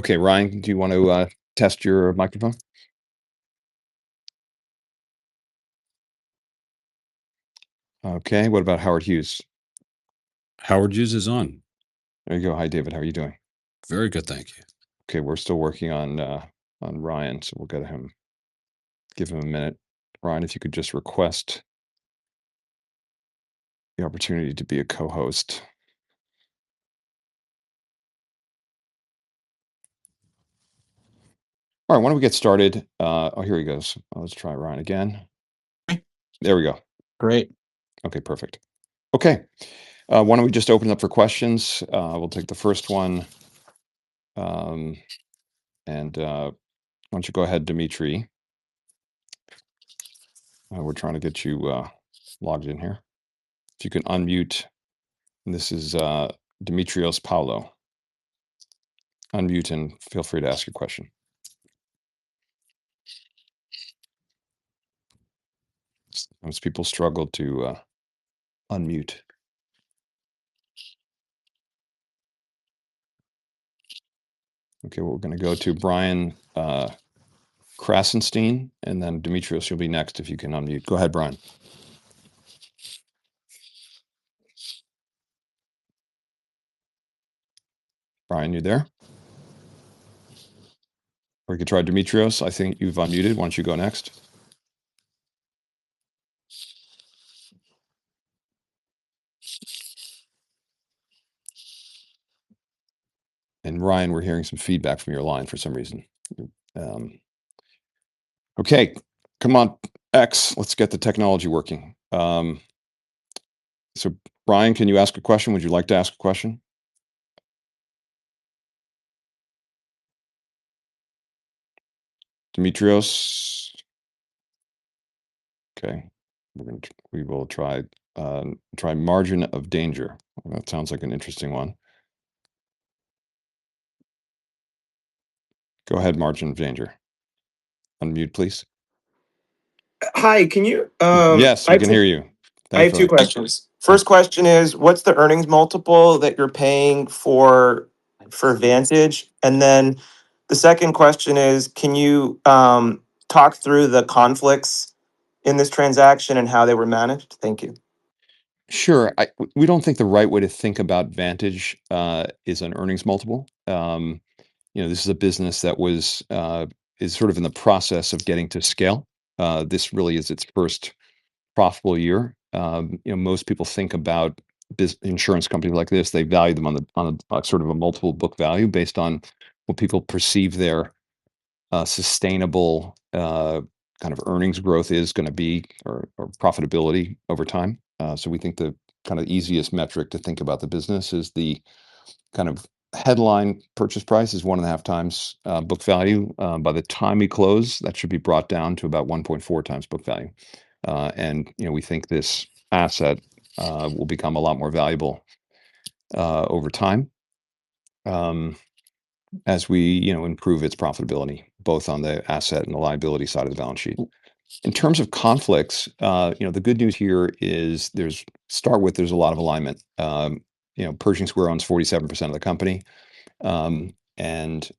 Okay, Ryan, do you want to test your microphone? Okay, what about Howard Hughes? Howard Hughes is on. There you go. Hi, David. How are you doing? Very good, thank you. Okay, we're still working on Ryan, so we'll get him. Give him a minute. Ryan, if you could just request the opportunity to be a co-host. All right, why don't we get started? Oh, here he goes. Let's try Ryan again. Okay. There we go. Great. Okay, perfect. Okay, why don't we just open it up for questions? We'll take the first one and why don't you go ahead, Dimitri? We're trying to get you logged in here. If you can unmute, this is Dimitrios Pavlou. Unmute and feel free to ask your question. Sometimes people struggle to unmute. Okay, we're going to go to Brian Krassenstein and then Dimitrios, you'll be next if you can unmute. Go ahead, Brian. Brian, you there? Or you can try Dimitrios. I think you've unmuted. Why don't you go next? Ryan, we're hearing some feedback from your line for some reason. Okay, come on, X. Let's get the technology working. Brian, can you ask a question? Would you like to ask a question? Dimitrios? Okay, we'll try Margin of Danger. That sounds like an interesting one. Go ahead, Margin of Danger. Unmute, please. Hi, can you. Yes, I can hear you. I have two questions. First question is, what's the earnings multiple that you're paying for, for Vantage? And then the second question is, can you, talk through the conflicts in this transaction and how they were managed? Thank you. Sure. I—we don't think the right way to think about Vantage is an earnings multiple. You know, this is a business that was, is sort of in the process of getting to scale. This really is its first profitable year. You know, most people think about insurance companies like this, they value them on the sort of a multiple book value based on what people perceive their sustainable, kind of earnings growth is going to be, or profitability over time, so we think the kind of easiest metric to think about the business is the kind of headline purchase price is one and a half times book value. By the time we close, that should be brought down to about 1.4x book value. And, you know, we think this asset will become a lot more valuable over time as we, you know, improve its profitability, both on the asset and the liability side of the balance sheet. In terms of conflicts, you know, the good news here is there's a lot of alignment. You know, Pershing Square owns 47% of the company. And,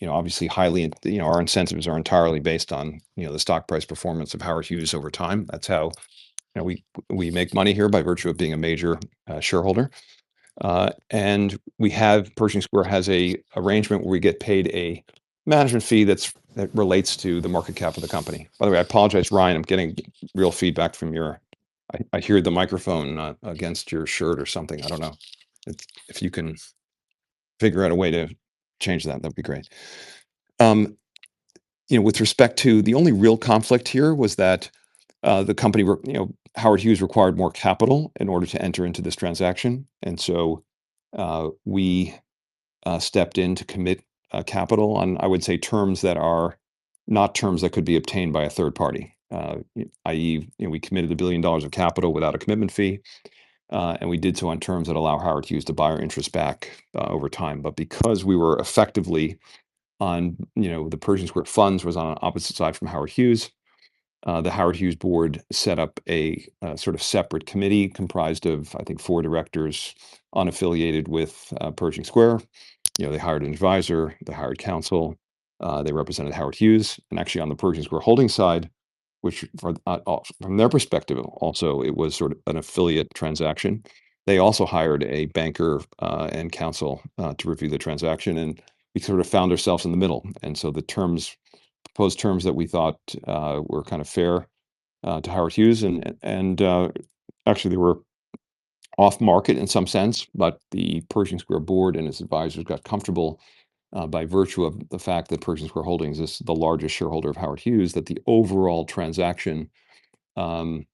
you know, obviously highly, you know, our incentives are entirely based on, you know, the stock price performance of Howard Hughes over time. That's how, you know, we make money here by virtue of being a major shareholder. And we have, Pershing Square has an arrangement where we get paid a management fee that relates to the market cap of the company. By the way, I apologize, Ryan. I'm getting real feedback from your, I hear the microphone against your shirt or something. I don't know. If you can figure out a way to change that, that'd be great, you know, with respect to the only real conflict here was that the company were, you know, Howard Hughes required more capital in order to enter into this transaction. We stepped in to commit capital on, I would say, terms that are not terms that could be obtained by a third party, i.e., you know, we committed billion of capital without a commitment fee, and we did so on terms that allow Howard Hughes to buy our interest back over time. Because we were effectively on, you know, the Pershing Square funds was on the opposite side from Howard Hughes, the Howard Hughes board set up a sort of separate committee comprised of, I think, four directors unaffiliated with Pershing Square. You know, they hired an advisor, they hired counsel, they represented Howard Hughes. And actually, on the Pershing Square Holdings side, which, from their perspective, also, it was sort of an affiliate transaction. They also hired a banker, and counsel, to review the transaction. And we sort of found ourselves in the middle. And so the terms, proposed terms that we thought, were kind of fair, to Howard Hughes. And actually, they were off market in some sense, but the Pershing Square board and its advisors got comfortable, by virtue of the fact that Pershing Square Holdings is the largest shareholder of Howard Hughes, that the overall transaction, was,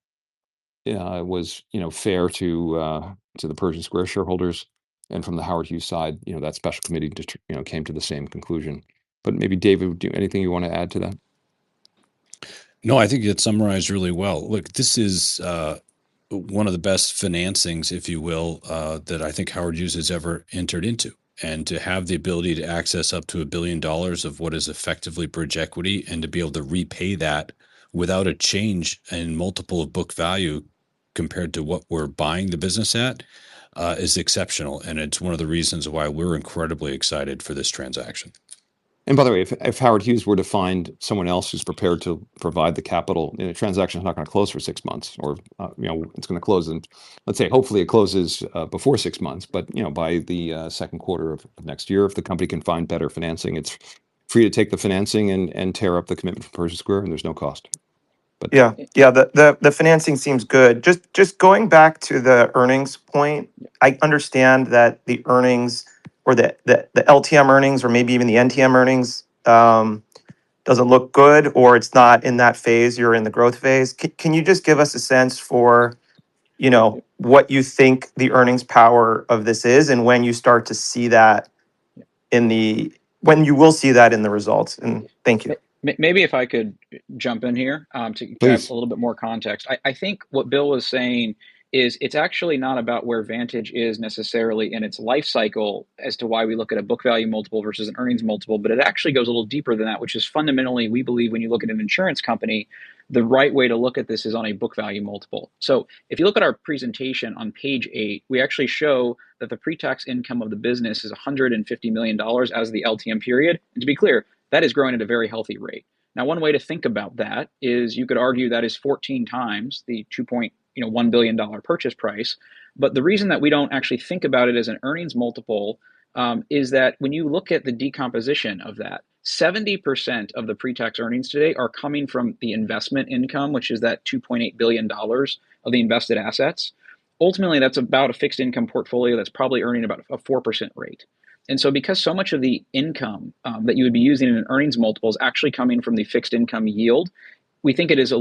you know, fair to the Pershing Square shareholders. And from the Howard Hughes side, you know, that special committee just, you know, came to the same conclusion. But maybe, David, do you have anything you want to add to that? No, I think you had summarized really well. Look, this is one of the best financings, if you will, that I think Howard Hughes has ever entered into. And to have the ability to access up to $1 billion of what is effectively bridge equity and to be able to repay that without a change in multiple of book value compared to what we're buying the business at is exceptional. And it's one of the reasons why we're incredibly excited for this transaction. And by the way, if Howard Hughes were to find someone else who's prepared to provide the capital, you know, the transaction's not going to close for six months. Or, you know, it's going to close in, let's say, hopefully it closes before six months. But, you know, by the second quarter of next year, if the company can find better financing, it's free to take the financing and tear up the commitment from Pershing Square, and there's no cost. Yeah, the financing seems good. Just going back to the earnings point, I understand that the earnings, or the LTM earnings, or maybe even the NTM earnings, doesn't look good, or it's not in that phase, you're in the growth phase. Can you just give us a sense for, you know, what you think the earnings power of this is, and when you start to see that in the, when you will see that in the results? And thank you. Maybe if I could jump in here, to give us a little bit more context. I think what Bill was saying is it's actually not about where Vantage is necessarily in its life cycle as to why we look at a book value multiple versus an earnings multiple, but it actually goes a little deeper than that, which is fundamentally, we believe when you look at an insurance company, the right way to look at this is on a book value multiple. So if you look at our presentation on page eight, we actually show that the pre-tax income of the business is $150 million as the LTM period. And to be clear, that is growing at a very healthy rate. Now, one way to think about that is you could argue that is 14 times the $2.1 billion purchase price. But the reason that we don't actually think about it as an earnings multiple, is that when you look at the decomposition of that, 70% of the pre-tax earnings today are coming from the investment income, which is that $2.8 billion of the invested assets. Ultimately, that's about a fixed income portfolio that's probably earning about a 4% rate. And so because so much of the income, that you would be using in an earnings multiple is actually coming from the fixed income yield, we think it is a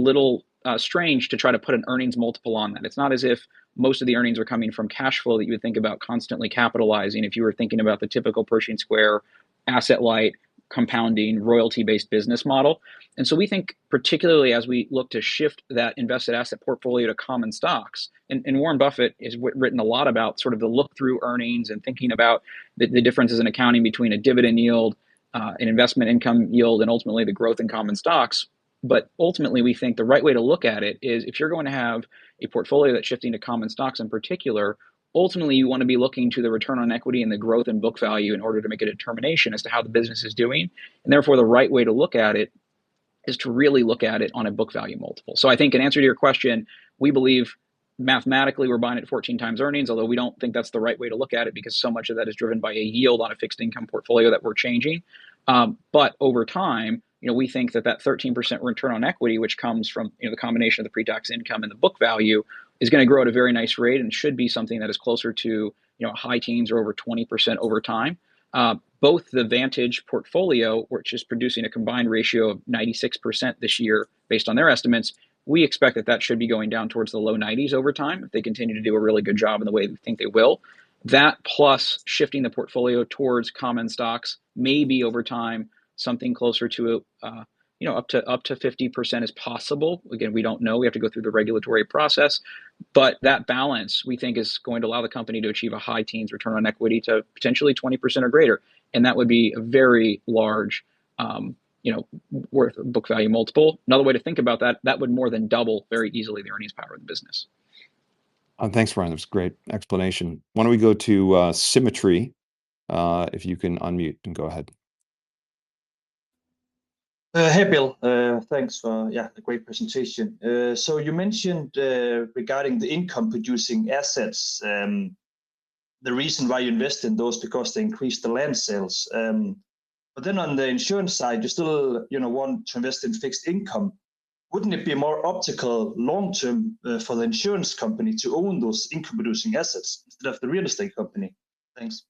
little, strange to try to put an earnings multiple on that. It's not as if most of the earnings are coming from cash flow that you would think about constantly capitalizing if you were thinking about the typical Pershing Square asset-light compounding royalty-based business model. And so we think, particularly as we look to shift that invested asset portfolio to common stocks, and Warren Buffett has written a lot about sort of the look-through earnings and thinking about the differences in accounting between a dividend yield, an investment income yield, and ultimately the growth in common stocks. But ultimately, we think the right way to look at it is if you're going to have a portfolio that's shifting to common stocks in particular, ultimately you want to be looking to the return on equity and the growth in book value in order to make a determination as to how the business is doing. And therefore, the right way to look at it is to really look at it on a book value multiple. So I think in answer to your question, we believe mathematically we're buying at 14 times earnings, although we don't think that's the right way to look at it because so much of that is driven by a yield on a fixed income portfolio that we're changing. But over time, you know, we think that that 13% return on equity, which comes from, you know, the combination of the pre-tax income and the book value, is going to grow at a very nice rate and should be something that is closer to, you know, high teens or over 20% over time. Both the Vantage portfolio, which is producing a combined ratio of 96% this year based on their estimates, we expect that that should be going down towards the low 90s over time if they continue to do a really good job in the way that we think they will. That plus shifting the portfolio towards common stocks may be over time something closer to, you know, up to up to 50% is possible. Again, we don't know. We have to go through the regulatory process. But that balance we think is going to allow the company to achieve a high-teens return on equity to potentially 20% or greater. And that would be a very large, you know, worth of book value multiple. Another way to think about that would more than double very easily the earnings power of the business. Thanks, Ryan. That was a great explanation. Why don't we go to Symmetry, if you can unmute and go ahead. Hey, Bill. Thanks for, yeah, a great presentation. So you mentioned, regarding the income-producing assets, the reason why you invest in those because they increase the land sales. But then on the insurance side, you still, you know, want to invest in fixed income. Wouldn't it be more optimal long-term, for the insurance company to own those income-producing assets instead of the real estate company? Thanks.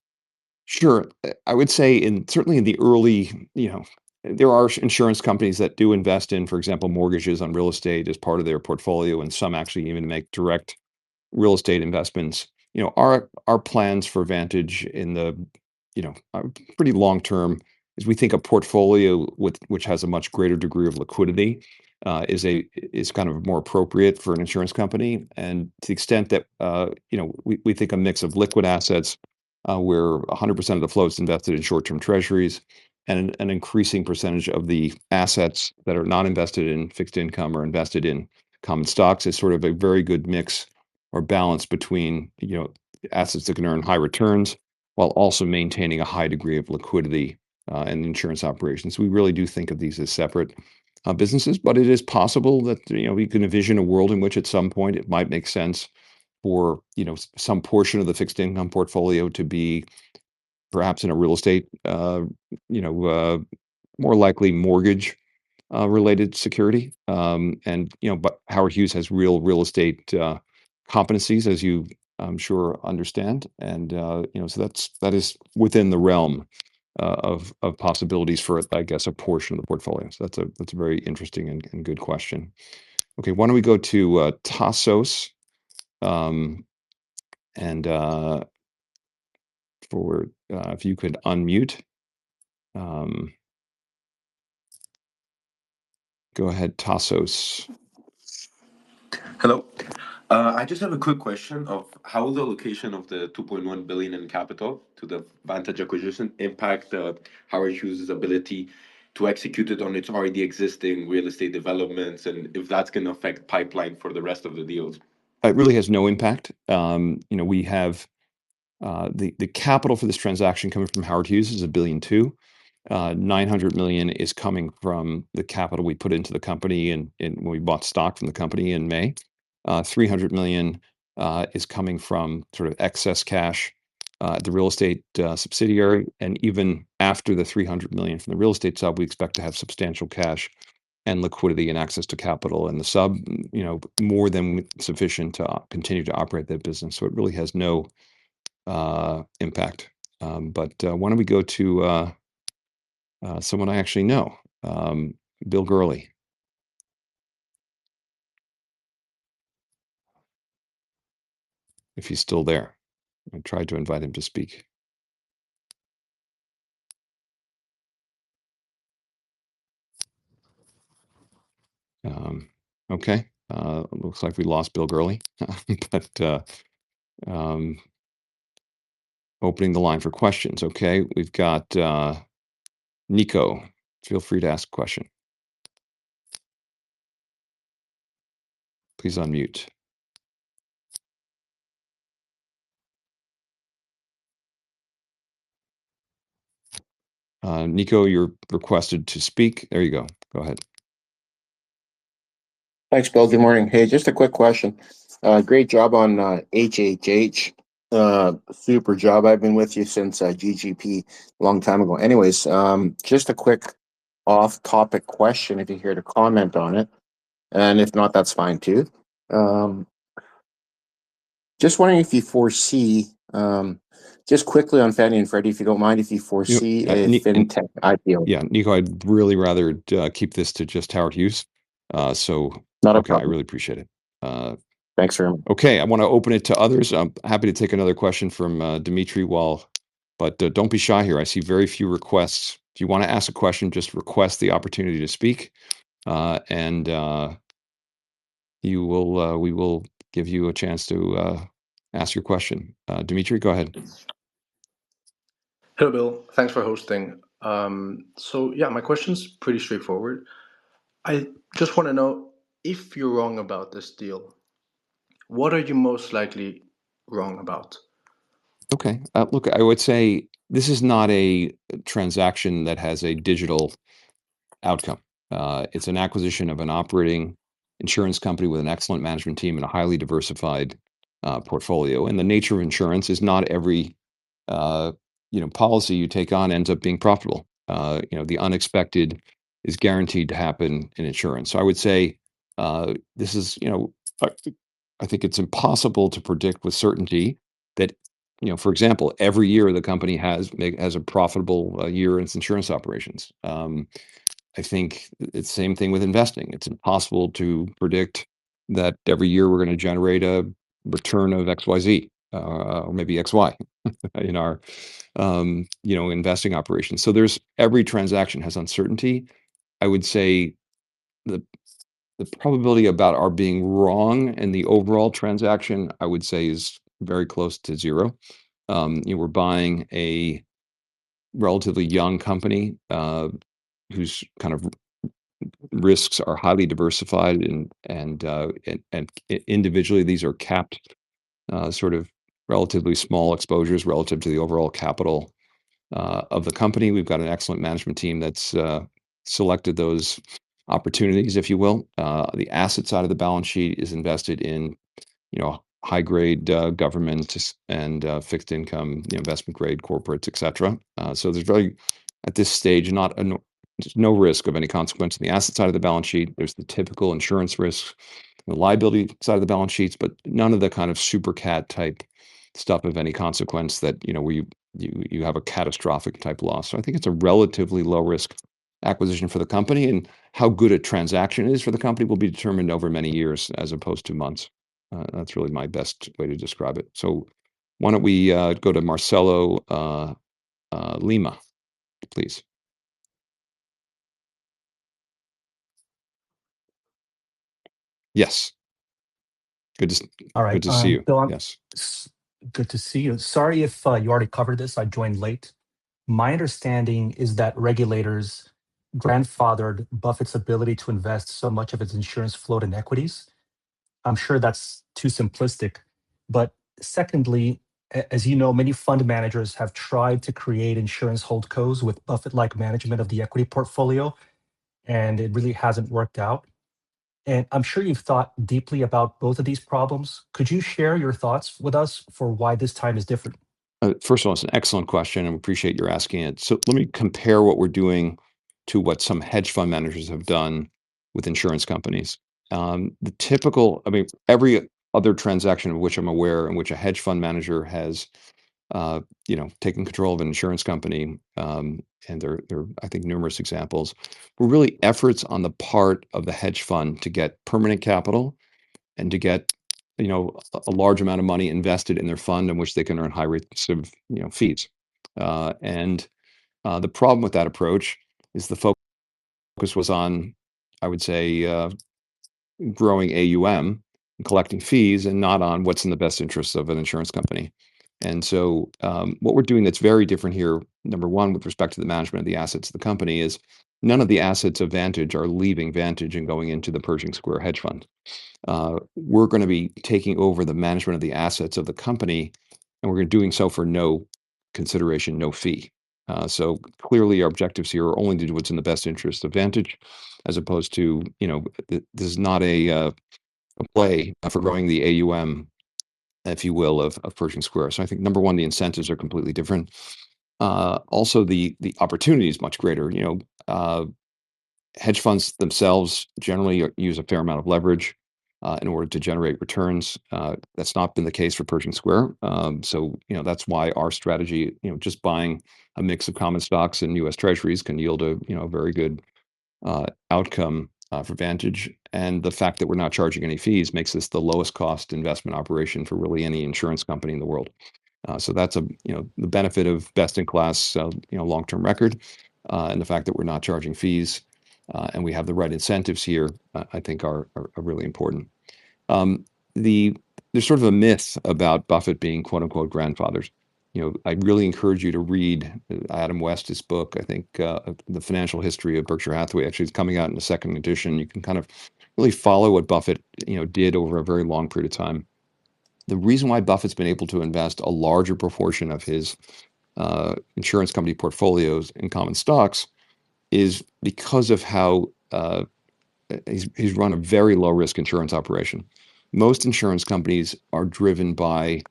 Sure. I would say certainly in the early, you know, there are insurance companies that do invest in, for example, mortgages on real estate as part of their portfolio, and some actually even make direct real estate investments. You know, our plans for Vantage in the, you know, pretty long term is we think a portfolio with which has a much greater degree of liquidity is kind of more appropriate for an insurance company. To the extent that, you know, we think a mix of liquid assets, where 100% of the flow is invested in short-term treasuries, and an increasing percentage of the assets that are not invested in fixed income or invested in common stocks is sort of a very good mix or balance between, you know, assets that can earn high returns while also maintaining a high degree of liquidity, and insurance operations. We really do think of these as separate businesses, but it is possible that, you know, we can envision a world in which at some point it might make sense for, you know, some portion of the fixed income portfolio to be perhaps in a real estate, you know, more likely mortgage-related security. And you know, but Howard Hughes has real estate competencies, as you, I'm sure, understand. You know, so that's that is within the realm of possibilities for, I guess, a portion of the portfolio. So that's a very interesting and good question. Okay, why don't we go to Tassos? And if you could unmute. Go ahead, Tassos. Hello. I just have a quick question of how the allocation of the $2.1 billion in capital to the Vantage acquisition impacts Howard Hughes' ability to execute on its already existing real estate developments and if that's going to affect pipeline for the rest of the deals? It really has no impact, you know. We have the capital for this transaction coming from Howard Hughes is a billion two. $900 million is coming from the capital we put into the company and when we bought stock from the company in May. $300 million is coming from sort of excess cash at the real estate subsidiary. And even after the $300 million from the real estate sub, we expect to have substantial cash and liquidity and access to capital in the sub, you know, more than sufficient to continue to operate that business. So it really has no impact. But why don't we go to someone I actually know, Bill Gurley. If he's still there, I tried to invite him to speak. Okay, looks like we lost Bill Gurley. But opening the line for questions. Okay, we've got Nico. Feel free to ask a question. Please unmute. Nico, you're requested to speak. There you go. Go ahead. Thanks, Bill. Good morning. Hey, just a quick question. Great job on HHH. Super job. I've been with you since GGP a long time ago. Anyways, just a quick off-topic question if you're here to comment on it. And if not, that's fine too. Just wondering if you foresee, just quickly on Fannie and Freddie, if you don't mind, if you foresee a FinTech IPO. Yeah, Nico, I'd really rather keep this to just Howard Hughes. So. Not a problem. I really appreciate it. Thanks Bill. Okay, I want to open it to others. I'm happy to take another question from Dimitri while but don't be shy here. I see very few requests. If you want to ask a question, just request the opportunity to speak, and we will give you a chance to ask your question. Dimitri, go ahead. Hello, Bill. Thanks for hosting. So yeah, my question's pretty straightforward. I just want to know if you're wrong about this deal. What are you most likely wrong about? Okay. Look, I would say this is not a transaction that has a digital outcome. It's an acquisition of an operating insurance company with an excellent management team and a highly diversified portfolio. And the nature of insurance is not every, you know, policy you take on ends up being profitable. You know, the unexpected is guaranteed to happen in insurance. So I would say, this is, you know, I think it's impossible to predict with certainty that, you know, for example, every year the company has a profitable year in its insurance operations. I think it's the same thing with investing. It's impossible to predict that every year we're going to generate a return of XYZ, or maybe XY in our, you know, investing operations. So there's every transaction has uncertainty. I would say the probability about our being wrong and the overall transaction, I would say is very close to zero. You know, we're buying a relatively young company, whose kind of risks are highly diversified and individually these are capped, sort of relatively small exposures relative to the overall capital, of the company. We've got an excellent management team that's selected those opportunities, if you will. The asset side of the balance sheet is invested in, you know, high-grade, government and fixed income, you know, investment-grade corporates, et cetera. So there's very, at this stage, not a no risk of any consequence in the asset side of the balance sheet. There's the typical insurance risk, the liability side of the balance sheets, but none of the kind of Super Cat type stuff of any consequence that, you know, where you have a catastrophic type loss. So I think it's a relatively low-risk acquisition for the company. And how good a transaction is for the company will be determined over many years as opposed to months. That's really my best way to describe it. So why don't we go to Marcelo Lima, please? Yes. Good to see you. Hi, Bill. Yes. Good to see you. Sorry if you already covered this. I joined late. My understanding is that regulators grandfathered Buffett's ability to invest so much of its insurance float in equities. I'm sure that's too simplistic. But secondly, as you know, many fund managers have tried to create insurance holding companies with Buffett-like management of the equity portfolio, and it really hasn't worked out. And I'm sure you've thought deeply about both of these problems. Could you share your thoughts with us for why this time is different? First of all, it's an excellent question. I appreciate you're asking it. So let me compare what we're doing to what some hedge fund managers have done with insurance companies. The typical, I mean, every other transaction of which I'm aware in which a hedge fund manager has, you know, taken control of an insurance company, and there are, I think numerous examples, were really efforts on the part of the hedge fund to get permanent capital and to get, you know, a large amount of money invested in their fund in which they can earn high rates of, you know, fees, and the problem with that approach is the focus was on, I would say, growing AUM, collecting fees, and not on what's in the best interests of an insurance company. What we're doing that's very different here, number one, with respect to the management of the assets of the company, is none of the assets of Vantage are leaving Vantage and going into the Pershing Square Hedge Fund. We're going to be taking over the management of the assets of the company, and we're doing so for no consideration, no fee. So clearly our objectives here are only to do what's in the best interest of Vantage as opposed to, you know, this is not a, a play for growing the AUM, if you will, of, of Pershing Square. I think number one, the incentives are completely different. Also the, the opportunity is much greater. You know, hedge funds themselves generally use a fair amount of leverage, in order to generate returns. That's not been the case for Pershing Square. So, you know, that's why our strategy, you know, just buying a mix of common stocks and U.S. Treasuries can yield a, you know, a very good outcome for Vantage. And the fact that we're not charging any fees makes this the lowest cost investment operation for really any insurance company in the world. So that's a, you know, the benefit of best in class, you know, long-term record. And the fact that we're not charging fees, and we have the right incentives here, I think are really important. There's sort of a myth about Buffett being quote-unquote grandfathered. You know, I really encourage you to read Adam Mead's book, I think, The Financial History of Berkshire Hathaway. Actually, it's coming out in the second edition. You can kind of really follow what Buffett, you know, did over a very long period of time. The reason why Buffett's been able to invest a larger proportion of his insurance company portfolios in common stocks is because of how he's run a very low-risk insurance operation. Most insurance companies are driven by,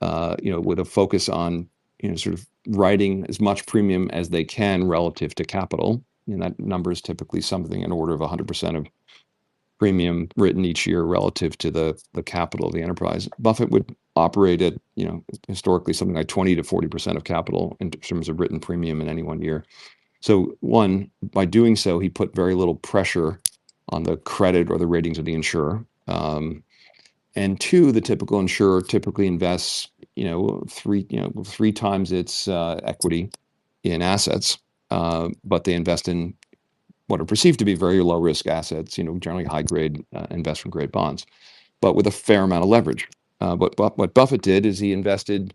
you know, with a focus on, you know, sort of writing as much premium as they can relative to capital. That number is typically something in order of 100% of premium written each year relative to the capital of the enterprise. Buffett would operate at, you know, historically something like 20%-40% of capital in terms of written premium in any one year. So, by doing so, he put very little pressure on the credit or the ratings of the insurer. And two, the typical insurer typically invests, you know, three, you know, three times its equity in assets, but they invest in what are perceived to be very low-risk assets, you know, generally high-grade, investment-grade bonds, but with a fair amount of leverage. But what Buffett did is he invested,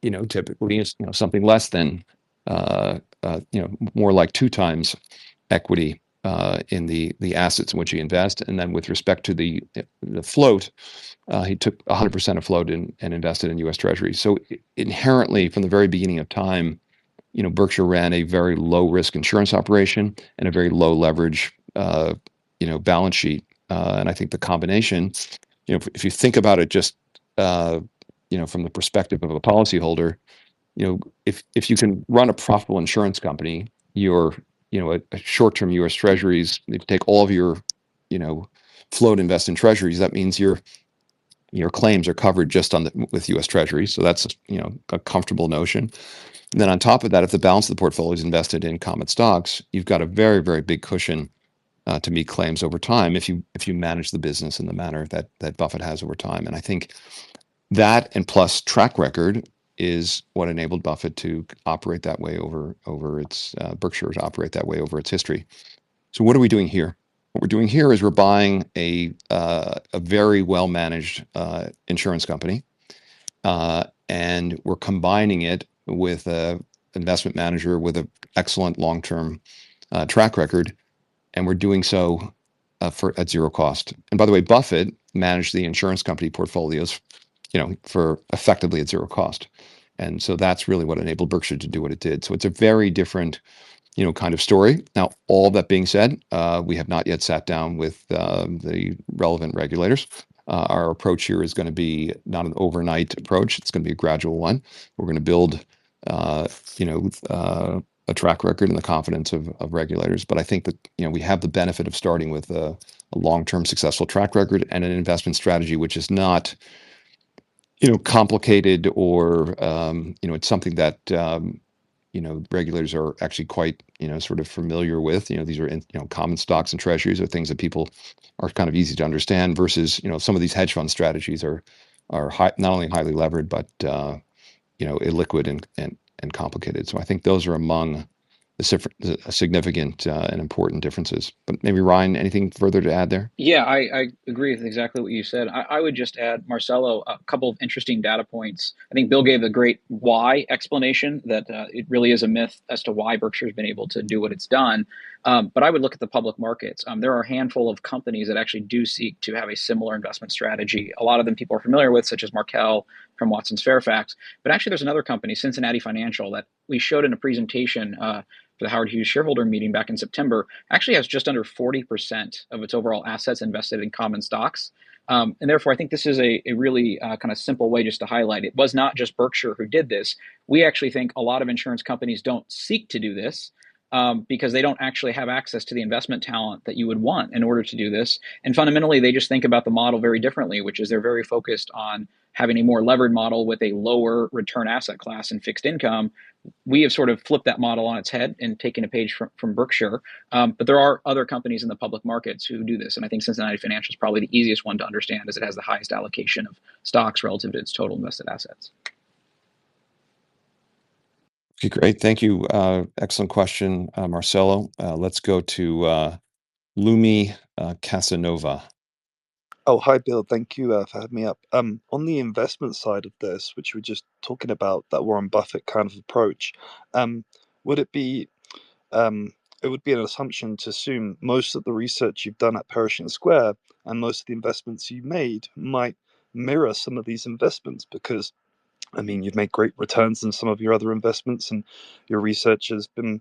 you know, typically, you know, something less than, you know, more like two times equity, in the, the assets in which he invests. And then with respect to the, the float, he took 100% of float and, and invested in U.S. Treasuries. So inherently, from the very beginning of time, you know, Berkshire ran a very low-risk insurance operation and a very low leverage, you know, balance sheet. And I think the combination, you know, if you think about it just, you know, from the perspective of a policyholder, you know, if you can run a profitable insurance company, you're, you know, short-term U.S. Treasuries, you take all of your, you know, float invest in Treasuries, that means your claims are covered just on the with U.S. Treasuries. So that's, you know, a comfortable notion. And then on top of that, if the balance of the portfolio is invested in common stocks, you've got a very, very big cushion to meet claims over time if you manage the business in the manner that Buffett has over time. And I think that and plus track record is what enabled Buffett to operate that way over its, Berkshire has operated that way over its history. So what are we doing here? What we're doing here is we're buying a very well-managed insurance company. And we're combining it with an investment manager with an excellent long-term track record. And we're doing so for at zero cost. And by the way, Buffett managed the insurance company portfolios, you know, for effectively at zero cost. And so that's really what enabled Berkshire to do what it did. So it's a very different, you know, kind of story. Now, all that being said, we have not yet sat down with the relevant regulators. Our approach here is going to be not an overnight approach. It's going to be a gradual one. We're going to build, you know, a track record and the confidence of regulators. But I think that, you know, we have the benefit of starting with a long-term successful track record and an investment strategy, which is not, you know, complicated or, you know, it's something that, you know, regulators are actually quite, you know, sort of familiar with. You know, these are, you know, common stocks and Treasuries are things that people are kind of easy to understand versus, you know, some of these hedge fund strategies are high, not only highly levered, but, you know, illiquid and complicated. So I think those are among the significant and important differences. But maybe Ryan, anything further to add there? Yeah, I agree with exactly what you said. I would just add, Marcelo, a couple of interesting data points. I think Bill gave a great why explanation that it really is a myth as to why Berkshire has been able to do what it's done. But I would look at the public markets. There are a handful of companies that actually do seek to have a similar investment strategy. A lot of them people are familiar with, such as Markel, Fairfax. But actually, there's another company, Cincinnati Financial, that we showed in a presentation for the Howard Hughes shareholder meeting back in September, actually has just under 40% of its overall assets invested in common stocks. And therefore, I think this is a really kind of simple way just to highlight it was not just Berkshire who did this. We actually think a lot of insurance companies don't seek to do this, because they don't actually have access to the investment talent that you would want in order to do this. And fundamentally, they just think about the model very differently, which is they're very focused on having a more levered model with a lower return asset class and fixed income. We have sort of flipped that model on its head and taken a page from Berkshire. But there are other companies in the public markets who do this. And I think Cincinnati Financial is probably the easiest one to understand as it has the highest allocation of stocks relative to its total invested assets. Okay, great. Thank you. Excellent question, Marcelo. Let's go to Lumie Casanova. Oh, hi Bill. Thank you for having me up. On the investment side of this, which we were just talking about, that Warren Buffett kind of approach, would it be, it would be an assumption to assume most of the research you've done at Pershing Square and most of the investments you've made might mirror some of these investments because, I mean, you've made great returns in some of your other investments and your research has been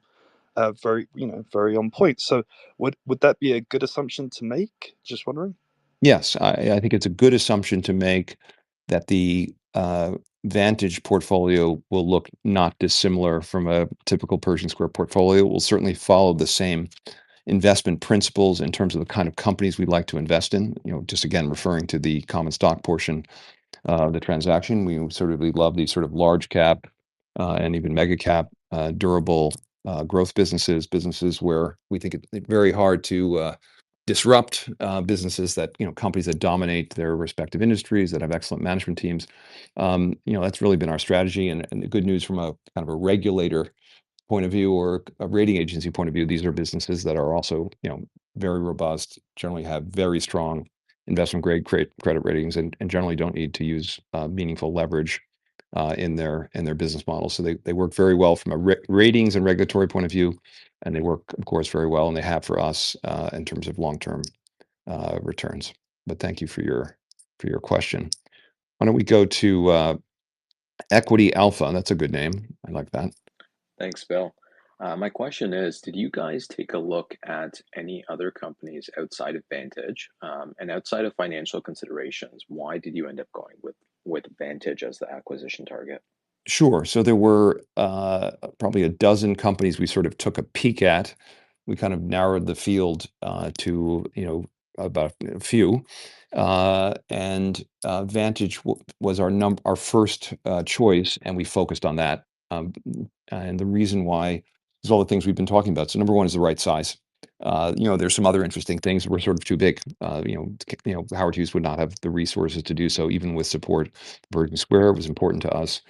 very, you know, very on point. So would, would that be a good assumption to make? Just wondering. Yes, I think it's a good assumption to make that the Vantage portfolio will look not dissimilar from a typical Pershing Square portfolio. We'll certainly follow the same investment principles in terms of the kind of companies we'd like to invest in, you know, just again, referring to the common stock portion of the transaction. We sort of, we love these sort of large cap, and even mega cap, durable, growth businesses, businesses where we think it's very hard to disrupt, businesses that, you know, companies that dominate their respective industries that have excellent management teams. You know, that's really been our strategy. The good news from a kind of a regulator point of view or a rating agency point of view, these are businesses that are also, you know, very robust, generally have very strong investment-grade credit ratings and generally don't need to use meaningful leverage in their business model. So they work very well from a ratings and regulatory point of view, and they work, of course, very well and they have for us in terms of long-term returns. But thank you for your question. Why don't we go to Equity Alpha, and that's a good name. I like that. Thanks, Bill. My question is, did you guys take a look at any other companies outside of Vantage, and outside of financial considerations? Why did you end up going with Vantage as the acquisition target? Sure. So there were probably a dozen companies we sort of took a peek at. We kind of narrowed the field to you know about a few. And Vantage was our number our first choice and we focused on that. And the reason why is all the things we've been talking about. So number one is the right size. You know there's some other interesting things. We're sort of too big you know you know Howard Hughes would not have the resources to do so even with support. Pershing Square was important to us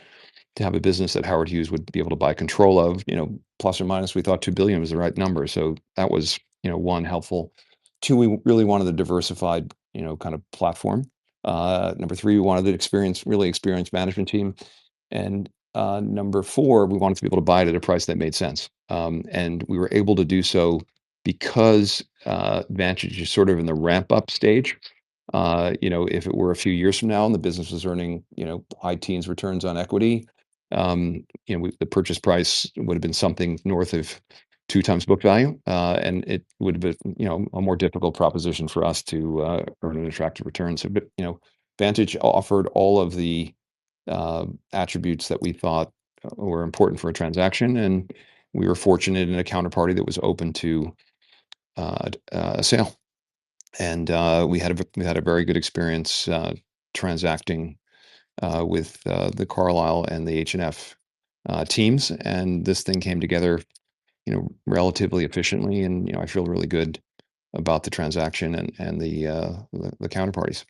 to have a business that Howard Hughes would be able to buy control of you know plus or minus we thought $2 billion was the right number. So that was you know one helpful. Two we really wanted a diversified you know kind of platform. Number three we wanted an experienced really experienced management team. Number four, we wanted to be able to buy it at a price that made sense and we were able to do so because Vantage is sort of in the ramp-up stage. You know, if it were a few years from now and the business was earning, you know, high teens returns on equity, you know, the purchase price would have been something north of two times book value and it would have been, you know, a more difficult proposition for us to earn an attractive return. But, you know, Vantage offered all of the attributes that we thought were important for a transaction and we were fortunate in a counterparty that was open to a sale. We had a very good experience transacting with the Carlyle and the H&F teams. This thing came together, you know, relatively efficiently. You know, I feel really good about the transaction and the counterparties.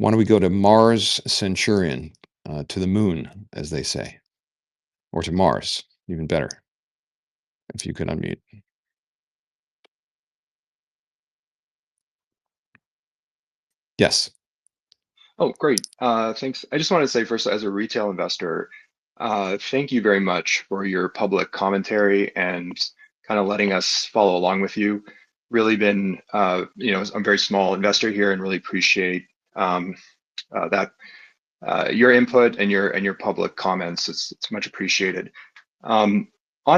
Why don't we go to Mars Centurion, to the moon, as they say, or to Mars, even better, if you can unmute. Yes. Oh, great. Thanks. I just wanted to say first, as a retail investor, thank you very much for your public commentary and kind of letting us follow along with you. Really been, you know, I'm a very small investor here and really appreciate, that, your input and your, and your public comments. It's, it's much appreciated. On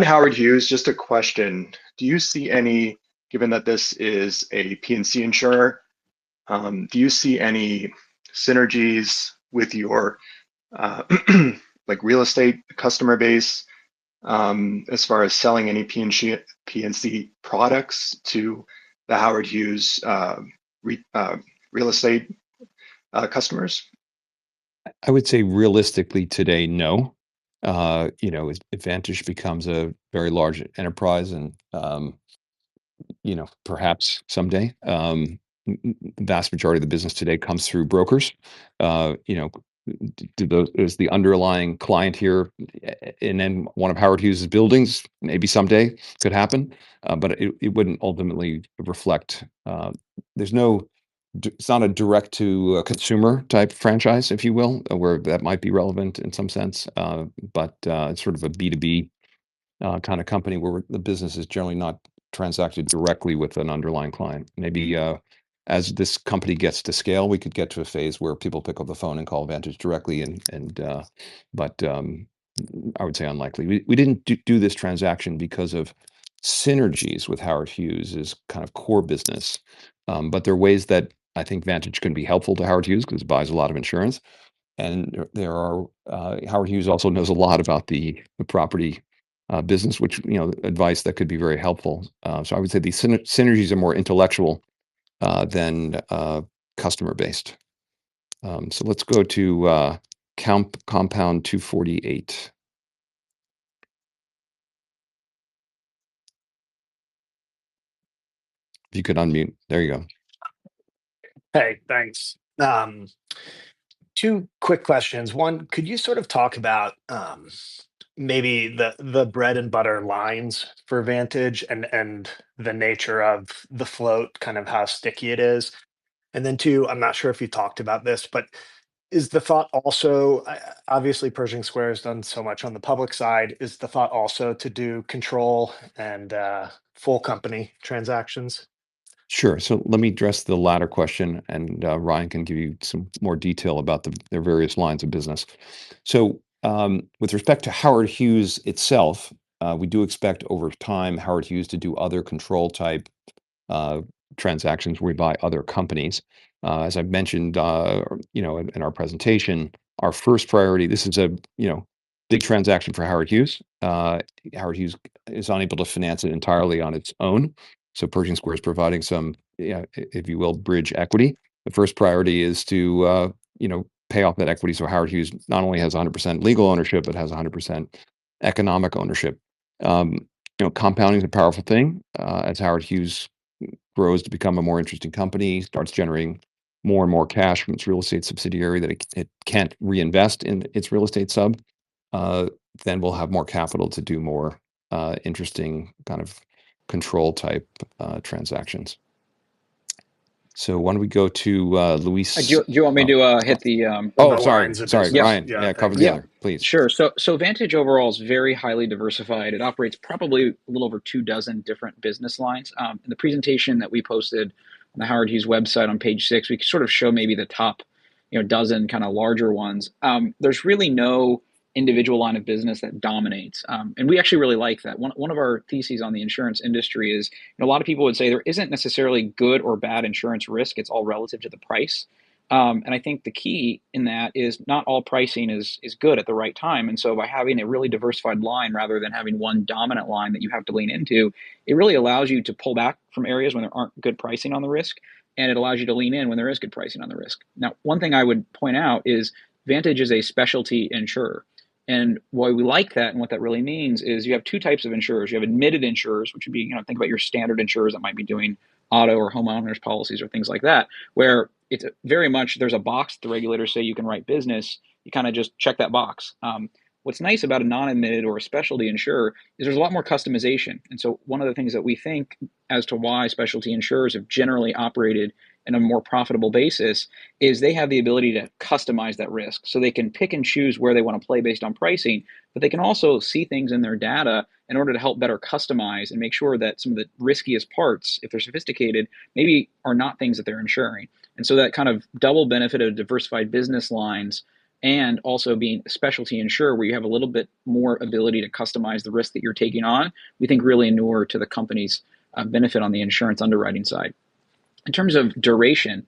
Howard Hughes, just a question. Do you see any, given that this is a P&C insurer, do you see any synergies with your, like real estate customer base, as far as selling any P&C, P&C products to the Howard Hughes, real estate, customers? I would say realistically today, no. You know, Vantage becomes a very large enterprise and, you know, perhaps someday, the vast majority of the business today comes through brokers. You know, those are the underlying clients here and then one of Howard Hughes's buildings maybe someday could happen. But it wouldn't ultimately reflect. There's no, it's not a direct to a consumer type franchise, if you will, where that might be relevant in some sense. But it's sort of a B2B, kind of company where the business is generally not transacted directly with an underlying client. Maybe, as this company gets to scale, we could get to a phase where people pick up the phone and call Vantage directly and but I would say unlikely. We didn't do this transaction because of synergies with Howard Hughes as kind of core business. But there are ways that I think Vantage can be helpful to Howard Hughes because it buys a lot of insurance, and there are. Howard Hughes also knows a lot about the property business, which, you know, advice that could be very helpful, so I would say the synergies are more intellectual than customer-based, so let's go to Compound 248. If you could unmute. There you go. Hey, thanks. Two quick questions. One, could you sort of talk about, maybe the, the bread and butter lines for Vantage and, and the nature of the float, kind of how sticky it is? And then two, I'm not sure if you talked about this, but is the thought also, obviously Pershing Square has done so much on the public side, is the thought also to do control and full company transactions? Sure. So let me address the latter question and Ryan can give you some more detail about the various lines of business. So, with respect to Howard Hughes itself, we do expect over time Howard Hughes to do other control type transactions where we buy other companies. As I mentioned, you know, in our presentation, our first priority; this is a, you know, big transaction for Howard Hughes. Howard Hughes is unable to finance it entirely on its own. So Pershing Square is providing some, you know, if you will, bridge equity. The first priority is to, you know, pay off that equity. So Howard Hughes not only has 100% legal ownership, but has 100% economic ownership. You know, compounding is a powerful thing. As Howard Hughes grows to become a more interesting company, starts generating more and more cash from its real estate subsidiary that it, it can't reinvest in its real estate sub, then we'll have more capital to do more, interesting kind of control type, transactions. So why don't we go to Luis? Do you want me to? Oh, sorry. Sorry, Ryan. Yeah, cover the other. Please. Sure. So, so Vantage overall is very highly diversified. It operates probably a little over two dozen different business lines. In the presentation that we posted on the Howard Hughes website on page six, we can sort of show maybe the top, you know, dozen kind of larger ones. There's really no individual line of business that dominates, and we actually really like that. One, one of our theses on the insurance industry is, you know, a lot of people would say there isn't necessarily good or bad insurance risk. It's all relative to the price, and I think the key in that is not all pricing is good at the right time. And so by having a really diversified line rather than having one dominant line that you have to lean into, it really allows you to pull back from areas when there aren't good pricing on the risk, and it allows you to lean in when there is good pricing on the risk. Now, one thing I would point out is Vantage is a specialty insurer. And why we like that and what that really means is you have two types of insurers. You have admitted insurers, which would be, you know, think about your standard insurers that might be doing auto or homeowners policies or things like that, where it's very much, there's a box that the regulators say you can write business, you kind of just check that box. What's nice about a non-admitted or a specialty insurer is there's a lot more customization. One of the things that we think as to why specialty insurers have generally operated on a more profitable basis is they have the ability to customize that risk. They can pick and choose where they want to play based on pricing, but they can also see things in their data in order to help better customize and make sure that some of the riskiest parts, if they're sophisticated, maybe are not things that they're insuring. That kind of double benefit of diversified business lines and also being a specialty insurer where you have a little bit more ability to customize the risk that you're taking on, we think really inures to the company's benefit on the insurance underwriting side. In terms of duration,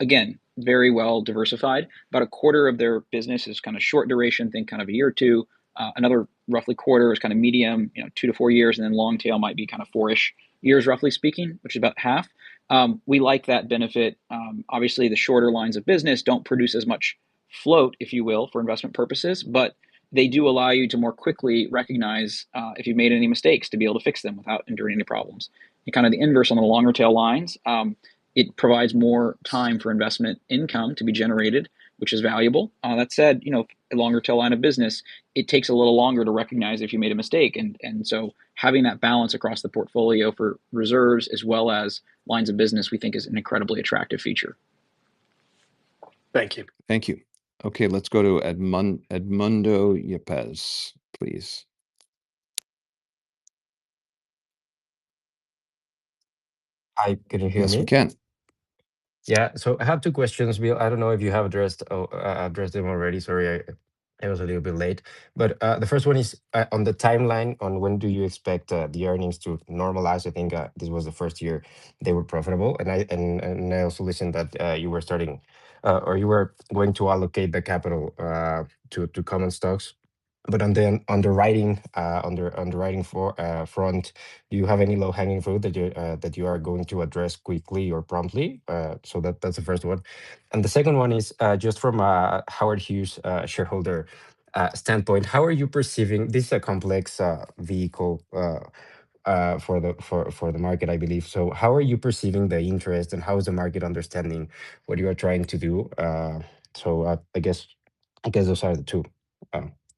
again, very well diversified, about a quarter of their business is kind of short duration, think kind of a year or two. Another roughly quarter is kind of medium, you know, two to four years, and then long tail might be kind of four-ish years, roughly speaking, which is about half. We like that benefit. Obviously the shorter lines of business don't produce as much float, if you will, for investment purposes, but they do allow you to more quickly recognize, if you've made any mistakes to be able to fix them without enduring any problems, and kind of the inverse on the longer tail lines, it provides more time for investment income to be generated, which is valuable. That said, you know, a longer tail line of business, it takes a little longer to recognize if you made a mistake. And so having that balance across the portfolio for reserves as well as lines of business, we think is an incredibly attractive feature. Thank you. Thank you. Okay. Let's go to Edmundo Yepez, please. Hi, can you hear me? Yes, we can. Yeah. So I have two questions, Bill. I don't know if you have addressed them already. Sorry, I was a little bit late, but the first one is on the timeline on when do you expect the earnings to normalize? I think this was the first year they were profitable. And I also listened that you were starting or you were going to allocate the capital to common stocks, but on the underwriting front do you have any low hanging fruit that you are going to address quickly or promptly? So that's the first one. And the second one is just from a Howard Hughes shareholder standpoint how are you perceiving this is a complex vehicle for the market I believe. So how are you perceiving the interest and how is the market understanding what you are trying to do? So, I guess, I guess those are the two.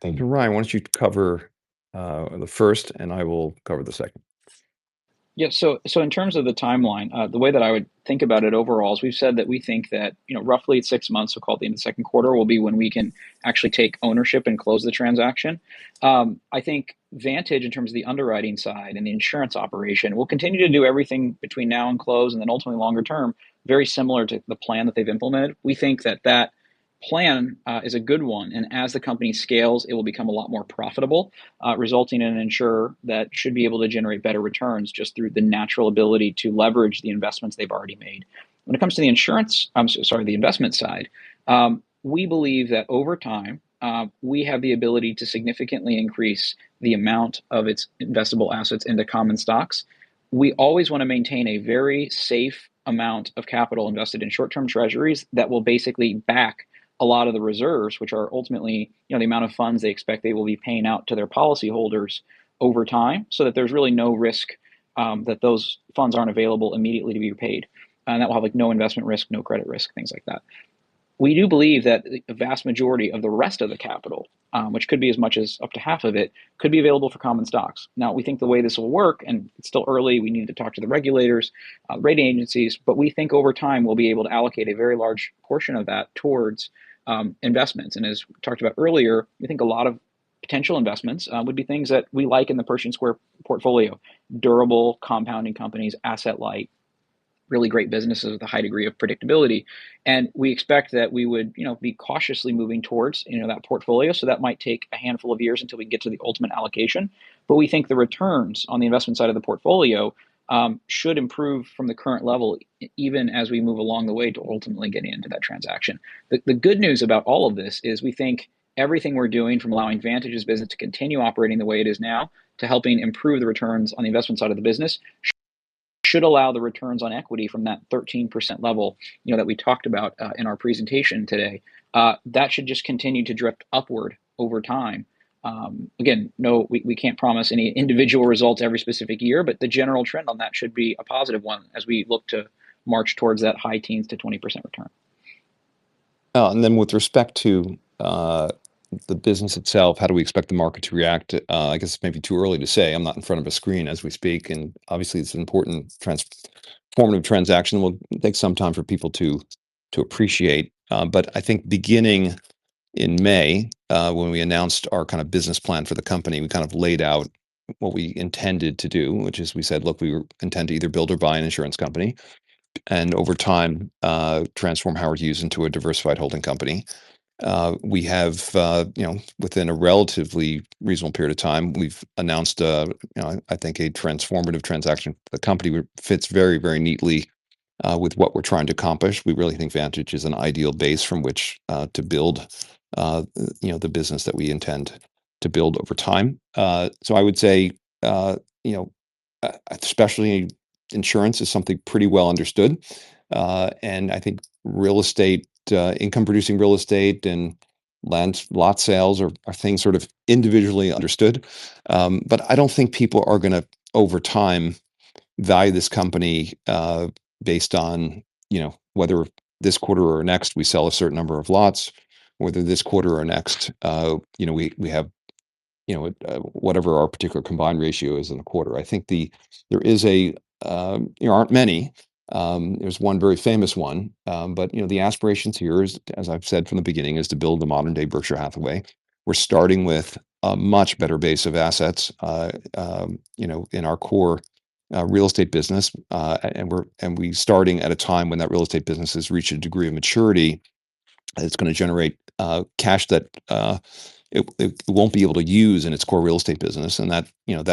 Thank you. Ryan, why don't you cover the first and I will cover the second. Yeah. So, so in terms of the timeline, the way that I would think about it overall, as we've said that we think that, you know, roughly six months, so call it the end of the second quarter will be when we can actually take ownership and close the transaction. I think Vantage in terms of the underwriting side and the insurance operation, we'll continue to do everything between now and close and then ultimately longer term, very similar to the plan that they've implemented. We think that that plan is a good one. And as the company scales, it will become a lot more profitable, resulting in an insurer that should be able to generate better returns just through the natural ability to leverage the investments they've already made. When it comes to the insurance, I'm sorry, the investment side, we believe that over time, we have the ability to significantly increase the amount of its investable assets into common stocks. We always want to maintain a very safe amount of capital invested in short-term treasuries that will basically back a lot of the reserves, which are ultimately, you know, the amount of funds they expect they will be paying out to their policyholders over time so that there's really no risk, that those funds aren't available immediately to be paid, and that will have like no investment risk, no credit risk, things like that. We do believe that the vast majority of the rest of the capital, which could be as much as up to half of it, could be available for common stocks. Now, we think the way this will work, and it's still early. We need to talk to the regulators, rating agencies, but we think over time we'll be able to allocate a very large portion of that towards investments. And as we talked about earlier, we think a lot of potential investments would be things that we like in the Pershing Square portfolio, durable compounding companies, asset-light, really great businesses with a high degree of predictability. And we expect that we would, you know, be cautiously moving towards, you know, that portfolio. So that might take a handful of years until we get to the ultimate allocation. But we think the returns on the investment side of the portfolio should improve from the current level, even as we move along the way to ultimately getting into that transaction. The good news about all of this is we think everything we're doing from allowing Vantage's business to continue operating the way it is now to helping improve the returns on the investment side of the business should allow the returns on equity from that 13% level, you know, that we talked about, in our presentation today. That should just continue to drift upward over time. Again, no, we can't promise any individual results every specific year, but the general trend on that should be a positive one as we look to march towards that high teens to 20% return. Oh, and then with respect to the business itself, how do we expect the market to react? I guess it's maybe too early to say. I'm not in front of a screen as we speak, and obviously it's an important transformative transaction. We'll take some time for people to appreciate. But I think beginning in May, when we announced our kind of business plan for the company, we kind of laid out what we intended to do, which is we said, look, we intend to either build or buy an insurance company and over time, transform Howard Hughes into a diversified holding company. We have, you know, within a relatively reasonable period of time, we've announced a, you know, I think a transformative transaction. The company fits very, very neatly with what we're trying to accomplish. We really think Vantage is an ideal base from which to build, you know, the business that we intend to build over time, so I would say, you know, especially insurance is something pretty well understood, and I think real estate, income-producing real estate and land lot sales are things sort of individually understood, but I don't think people are going to, over time, value this company based on, you know, whether this quarter or next we sell a certain number of lots, whether this quarter or next, you know, we have, you know, whatever our particular combined ratio is in the quarter. I think there aren't many. There's one very famous one, but you know, the aspirations here, as I've said from the beginning, is to build the modern-day Berkshire Hathaway. We're starting with a much better base of assets, you know, in our core real estate business, and we're starting at a time when that real estate business has reached a degree of maturity that it's going to generate cash that it won't be able to use in its core real estate business. That, you know,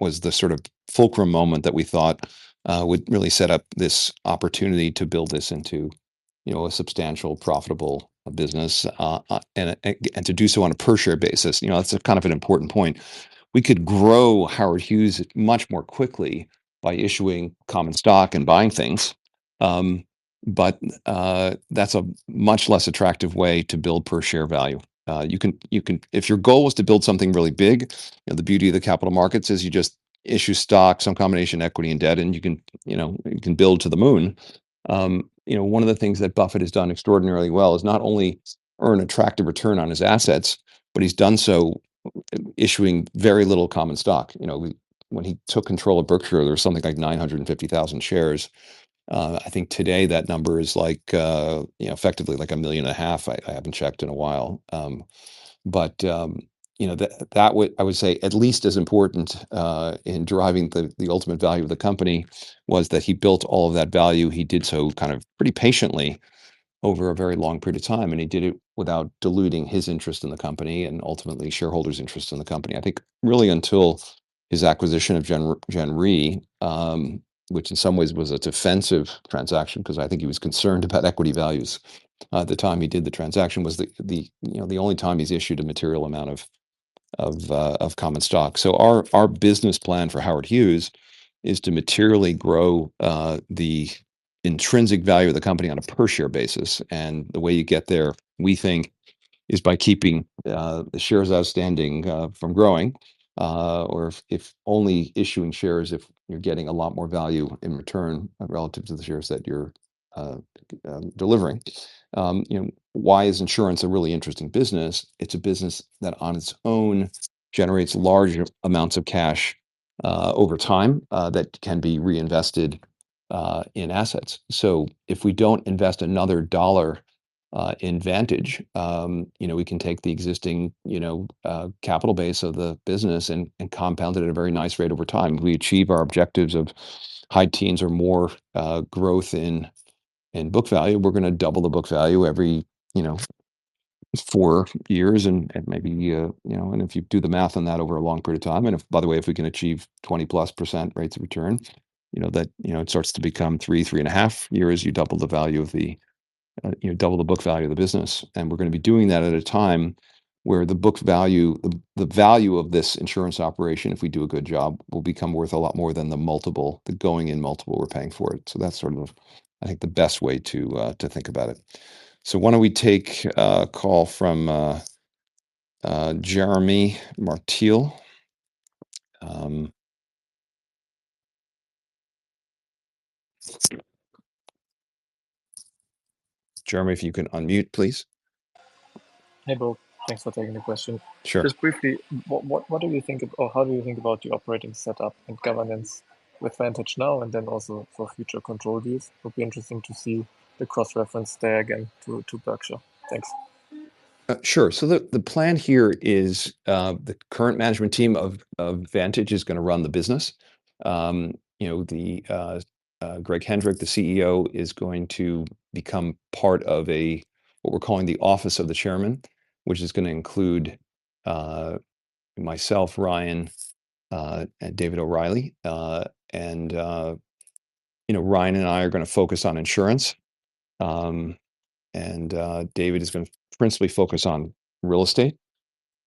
was the sort of fulcrum moment that we thought would really set up this opportunity to build this into, you know, a substantial, profitable business, and to do so on a per-share basis. You know, that's a kind of an important point. We could grow Howard Hughes much more quickly by issuing common stock and buying things, but that's a much less attractive way to build per-share value. You can, you can, if your goal was to build something really big, you know, the beauty of the capital markets is you just issue stocks, some combination of equity and debt, and you can, you know, you can build to the moon. You know, one of the things that Buffett has done extraordinarily well is not only earn attractive return on his assets, but he's done so issuing very little common stock. You know, when he took control of Berkshire, there was something like 950,000 shares. I think today that number is like, you know, effectively like 1.5 million. I, I haven't checked in a while. But, you know, that, that would, I would say at least as important, in driving the, the ultimate value of the company was that he built all of that value. He did so kind of pretty patiently over a very long period of time. He did it without diluting his interest in the company and ultimately shareholders' interest in the company. I think really until his acquisition of Gen Re, which in some ways was a defensive transaction because I think he was concerned about equity values at the time he did the transaction was the, you know, the only time he's issued a material amount of common stock. So our business plan for Howard Hughes is to materially grow the intrinsic value of the company on a per-share basis. And the way you get there, we think, is by keeping the shares outstanding from growing, or if only issuing shares if you're getting a lot more value in return relative to the shares that you're delivering. You know, why is insurance a really interesting business? It's a business that on its own generates large amounts of cash, over time, that can be reinvested, in assets. So if we don't invest another dollar, in Vantage, you know, we can take the existing, you know, capital base of the business and compound it at a very nice rate over time. We achieve our objectives of high teens or more, growth in book value. We're going to double the book value every, you know, four years and, and maybe, you know, and if you do the math on that over a long period of time, and if, by the way, if we can achieve 20-plus% rates of return, you know, that, you know, it starts to become three, three and a half years. You double the value of the, you know, double the book value of the business. And we're going to be doing that at a time where the book value, the, the value of this insurance operation, if we do a good job, will become worth a lot more than the multiple, the going in multiple we're paying for it. So that's sort of, I think the best way to, to think about it. So why don't we take a call from Jeremy Martille. Jeremy, if you can unmute, please. Hey Bill, thanks for taking the question. Sure. Just briefly, what do you think of, or how do you think about the operating setup and governance with Vantage now and then also for future control views? It would be interesting to see the cross-reference there again to Berkshire. Thanks. Sure. So the plan here is, the current management team of Vantage is going to run the business. You know, Greg Hendrick, the CEO, is going to become part of what we're calling the Office of the Chairman, which is going to include myself, Ryan, and David O'Reilly. And you know, Ryan and I are going to focus on insurance. And David is going to principally focus on real estate.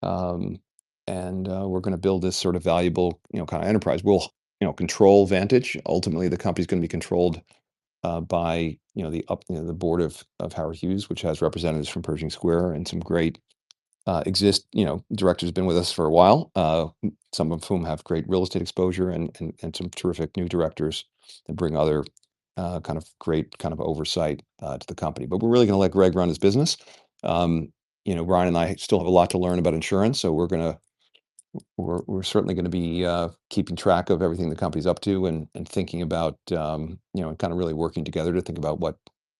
And we're going to build this sort of valuable, you know, kind of enterprise. We'll you know, control Vantage. Ultimately, the company's going to be controlled by, you know, the board of Howard Hughes, which has representatives from Pershing Square and some great existing, you know, directors have been with us for a while, some of whom have great real estate exposure and some terrific new directors that bring other great oversight to the company. But we're really going to let Greg run his business. You know, Ryan and I still have a lot to learn about insurance. So we're certainly going to be keeping track of everything the company's up to and thinking about, you know, and kind of really working together to think about what,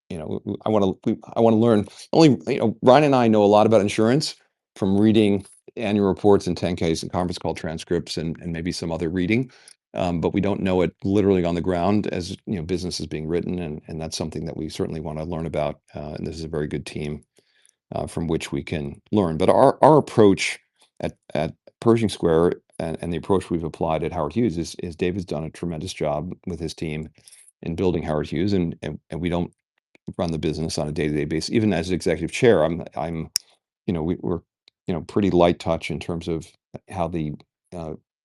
you know. I want to learn only, you know. Ryan and I know a lot about insurance from reading annual reports and 10-Ks and conference call transcripts and maybe some other reading. But we don't know it literally on the ground as, you know, business is being written. And that's something that we certainly want to learn about. And this is a very good team, from which we can learn. But our approach at Pershing Square and the approach we've applied at Howard Hughes is David's done a tremendous job with his team in building Howard Hughes. We don't run the business on a day-to-day basis. Even as Executive Chair, I'm you know, we're you know, pretty light touch in terms of how the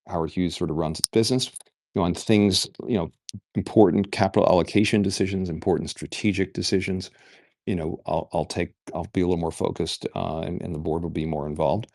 Howard Hughes sort of runs its business. You know, on things you know, important capital allocation decisions, important strategic decisions, you know, I'll be a little more focused, and the board will be more involved.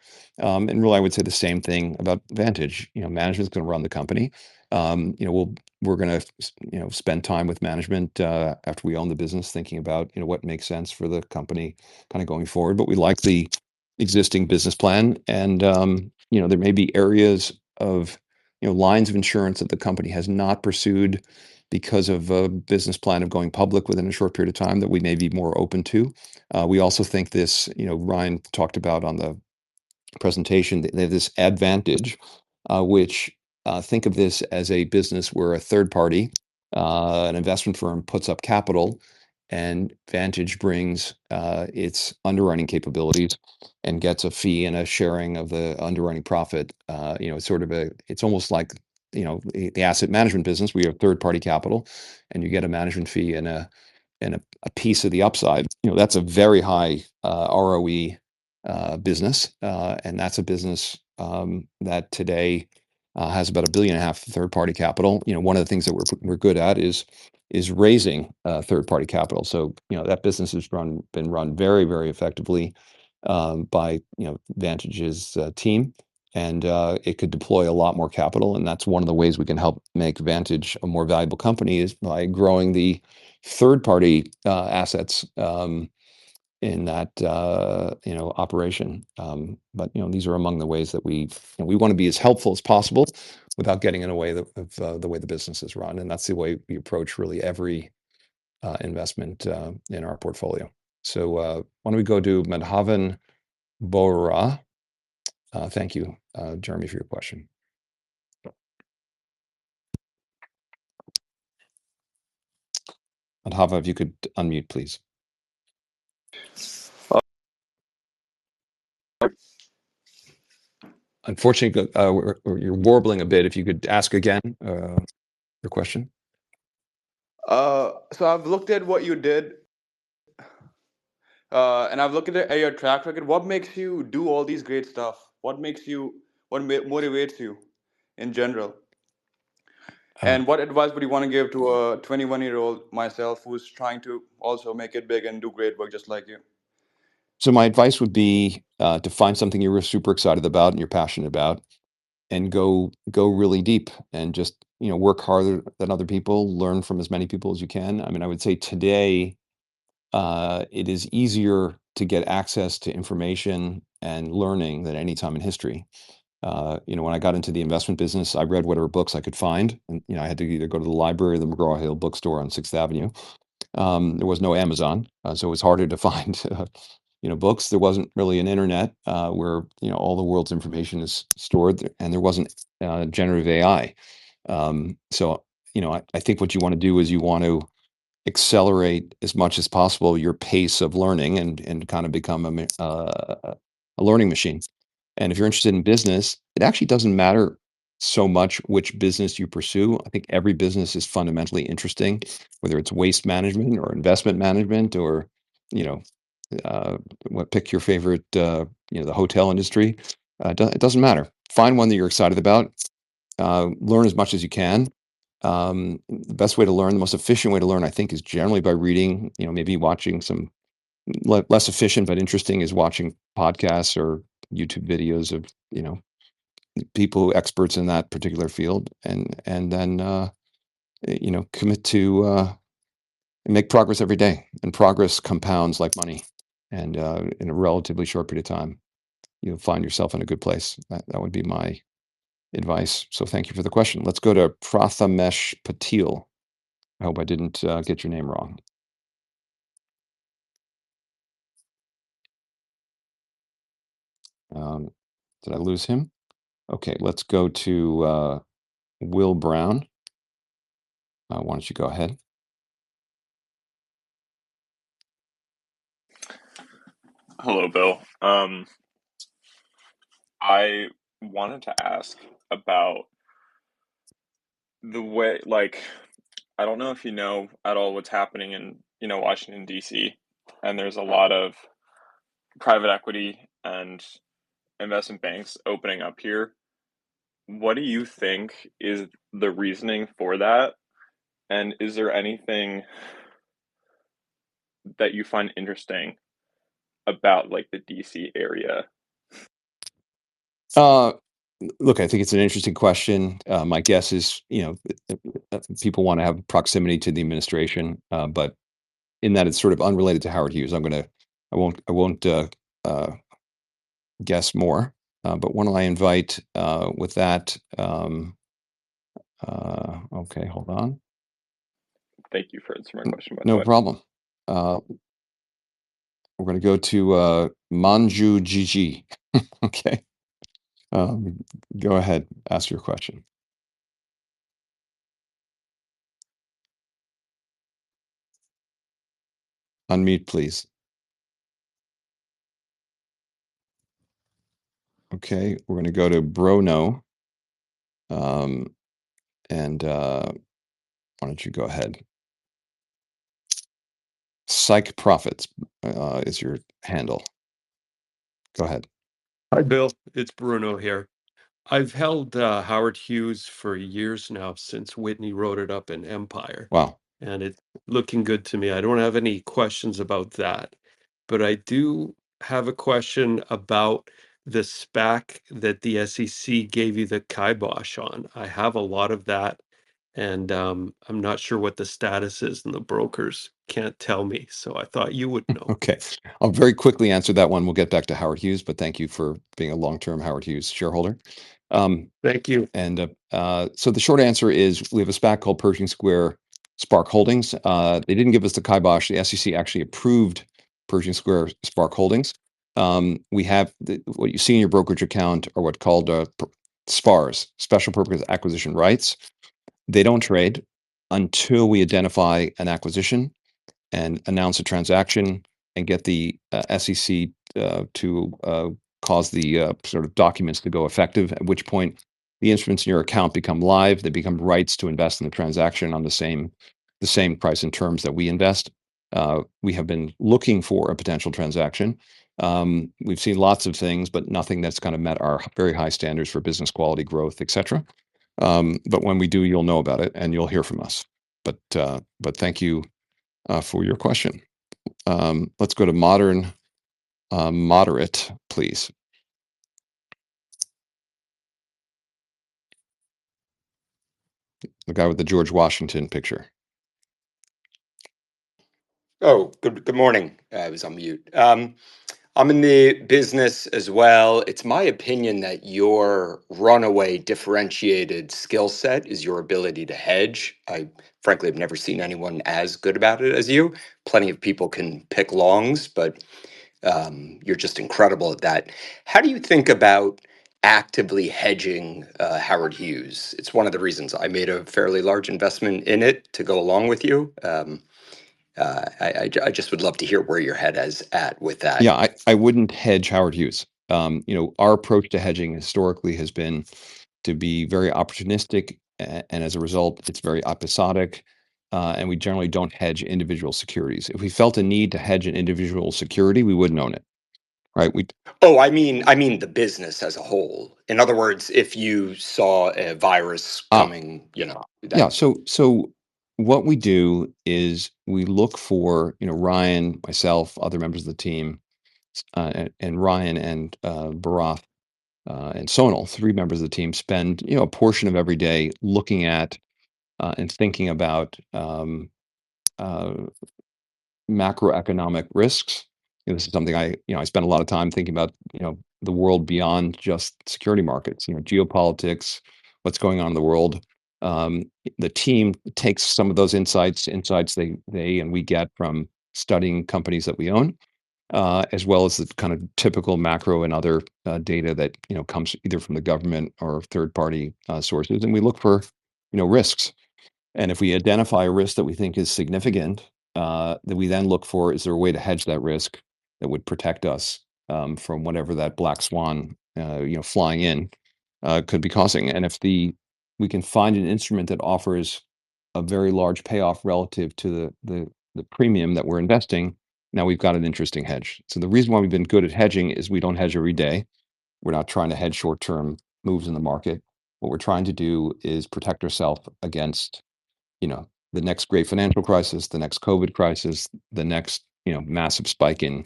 Really I would say the same thing about Vantage. You know, management's going to run the company. You know, we're going to you know, spend time with management after we own the business, thinking about you know, what makes sense for the company kind of going forward. But we like the existing business plan. You know, there may be areas of, you know, lines of insurance that the company has not pursued because of a business plan of going public within a short period of time that we may be more open to. We also think this, you know, Ryan talked about on the presentation, this AdVantage, which, think of this as a business where a third party, an investment firm puts up capital and Vantage brings its underwriting capabilities and gets a fee and a sharing of the underwriting profit. You know, it's sort of a, it's almost like, you know, the asset management business. We have third party capital and you get a management fee and a, and a, a piece of the upside. You know, that's a very high ROE business. And that's a business that today has about $1.5 billion third party capital. You know, one of the things that we're good at is raising third party capital. So, you know, that business has been run very, very effectively by Vantage's team. And it could deploy a lot more capital. And that's one of the ways we can help make Vantage a more valuable company is by growing the third party assets in that operation. But you know, these are among the ways that we you know want to be as helpful as possible without getting in the way of the way the business is run. And that's the way we approach really every investment in our portfolio. So, why don't we go to Madhavan Bhaure? Thank you, Jeremy, for your question. Madhavan, if you could unmute, please. Unfortunately, you're warbling a bit. If you could ask again, your question. So I've looked at what you did, and I've looked at your track record. What makes you do all this great stuff? What makes you, what motivates you in general? And what advice would you want to give to a 21-year-old myself who's trying to also make it big and do great work just like you? So my advice would be to find something you were super excited about and you're passionate about and go, go really deep and just, you know, work harder than other people, learn from as many people as you can. I mean, I would say today it is easier to get access to information and learning than any time in history. You know, when I got into the investment business, I read whatever books I could find. And, you know, I had to either go to the library or the McGraw Hill bookstore on Sixth Avenue. There was no Amazon. So it was harder to find, you know, books. There wasn't really an internet where, you know, all the world's information is stored, and there wasn't generative AI. So, you know, I think what you want to do is you want to accelerate as much as possible your pace of learning and kind of become a learning machine. If you're interested in business, it actually doesn't matter so much which business you pursue. I think every business is fundamentally interesting, whether it's waste management or investment management or, you know, what, pick your favorite, you know, the hotel industry. It doesn't matter. Find one that you're excited about, learn as much as you can. The best way to learn, the most efficient way to learn, I think, is generally by reading, you know, maybe watching some less efficient, but interesting is watching podcasts or YouTube videos of, you know, people who are experts in that particular field. Then, you know, commit to make progress every day, and progress compounds like money. In a relatively short period of time, you'll find yourself in a good place. That, that would be my advice. Thank you for the question. Let's go to Prathamesh Patil. I hope I didn't get your name wrong. Did I lose him? Okay. Let's go to Will Brown. Why don't you go ahead? Hello, Bill. I wanted to ask about the way, like, I don't know if you know at all what's happening in, you know, Washington, D.C., and there's a lot of private equity and investment banks opening up here. What do you think is the reasoning for that? And is there anything that you find interesting about, like, the D.C. area? Look, I think it's an interesting question. My guess is, you know, people want to have proximity to the administration, but in that it's sort of unrelated to Howard Hughes. I'm going to, I won't, I won't, guess more. But why don't I invite, with that, okay, hold on. Thank you for answering my question. No problem. We're going to go to Manju GG. Okay. Go ahead, ask your question. Unmute, please. Okay. We're going to go to Bruno, and why don't you go ahead? Psych Profits is your handle. Go ahead. Hi Bill, it's Bruno here. I've held Howard Hughes for years now since Whitney wrote it up in Empire. Wow. And it's looking good to me. I don't have any questions about that, but I do have a question about the SPAC that the SEC gave you the kibosh on. I have a lot of that, and I'm not sure what the status is and the brokers can't tell me. So I thought you would know. Okay. I'll very quickly answer that one. We'll get back to Howard Hughes, but thank you for being a long-term Howard Hughes shareholder. Thank you. So the short answer is we have a SPAC called Pershing Square SPARC Holdings. They didn't give us the kibosh. The SEC actually approved Pershing Square SPARC Holdings. We have what you see in your brokerage account are what's called SPARs, Special Purpose Acquisition Rights. They don't trade until we identify an acquisition and announce a transaction and get the SEC to cause the sort of documents to go effective, at which point the instruments in your account become live. They become rights to invest in the transaction on the same, the same price and terms that we invest. We have been looking for a potential transaction. We've seen lots of things, but nothing that's kind of met our very high standards for business quality growth, et cetera. But when we do, you'll know about it and you'll hear from us. But thank you for your question. Let's go to Modern Moderate, please. The guy with the George Washington picture. Oh, good, good morning. I was on mute. I'm in the business as well. It's my opinion that your runaway differentiated skill set is your ability to hedge. I, frankly, have never seen anyone as good about it as you. Plenty of people can pick longs, but, you're just incredible at that. How do you think about actively hedging, Howard Hughes? It's one of the reasons I made a fairly large investment in it to go along with you. I, I just would love to hear where your head is at with that. Yeah, I wouldn't hedge Howard Hughes. You know, our approach to hedging historically has been to be very opportunistic, and as a result, it's very episodic, and we generally don't hedge individual securities. If we felt a need to hedge an individual security, we wouldn't own it. Right? We. Oh, I mean, I mean the business as a whole. In other words, if you saw a virus coming, you know. Yeah. So what we do is we look for, you know, Ryan, myself, other members of the team, and Ryan and Bharath and Sonal, three members of the team spend, you know, a portion of every day looking at and thinking about macroeconomic risks. This is something I, you know, I spend a lot of time thinking about, you know, the world beyond just securities markets, you know, geopolitics, what's going on in the world. The team takes some of those insights they and we get from studying companies that we own, as well as the kind of typical macro and other data that, you know, comes either from the government or third-party sources. And we look for, you know, risks. And if we identify a risk that we think is significant, that we then look for, is there a way to hedge that risk that would protect us from whatever that black swan, you know, flying in, could be causing? And if we can find an instrument that offers a very large payoff relative to the premium that we're investing, now we've got an interesting hedge. So the reason why we've been good at hedging is we don't hedge every day. We're not trying to hedge short-term moves in the market. What we're trying to do is protect ourselves against, you know, the next great financial crisis, the next COVID crisis, the next, you know, massive spike in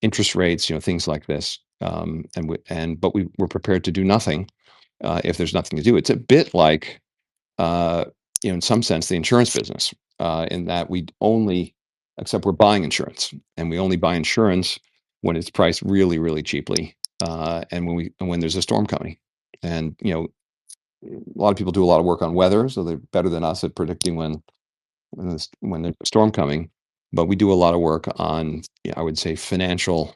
interest rates, you know, things like this. And we, but we're prepared to do nothing, if there's nothing to do. It's a bit like, you know, in some sense, the insurance business, in that we only, except we're buying insurance and we only buy insurance when it's priced really, really cheaply, and when there's a storm coming. And, you know, a lot of people do a lot of work on weather, so they're better than us at predicting when the storm coming. But we do a lot of work on, I would say, financial,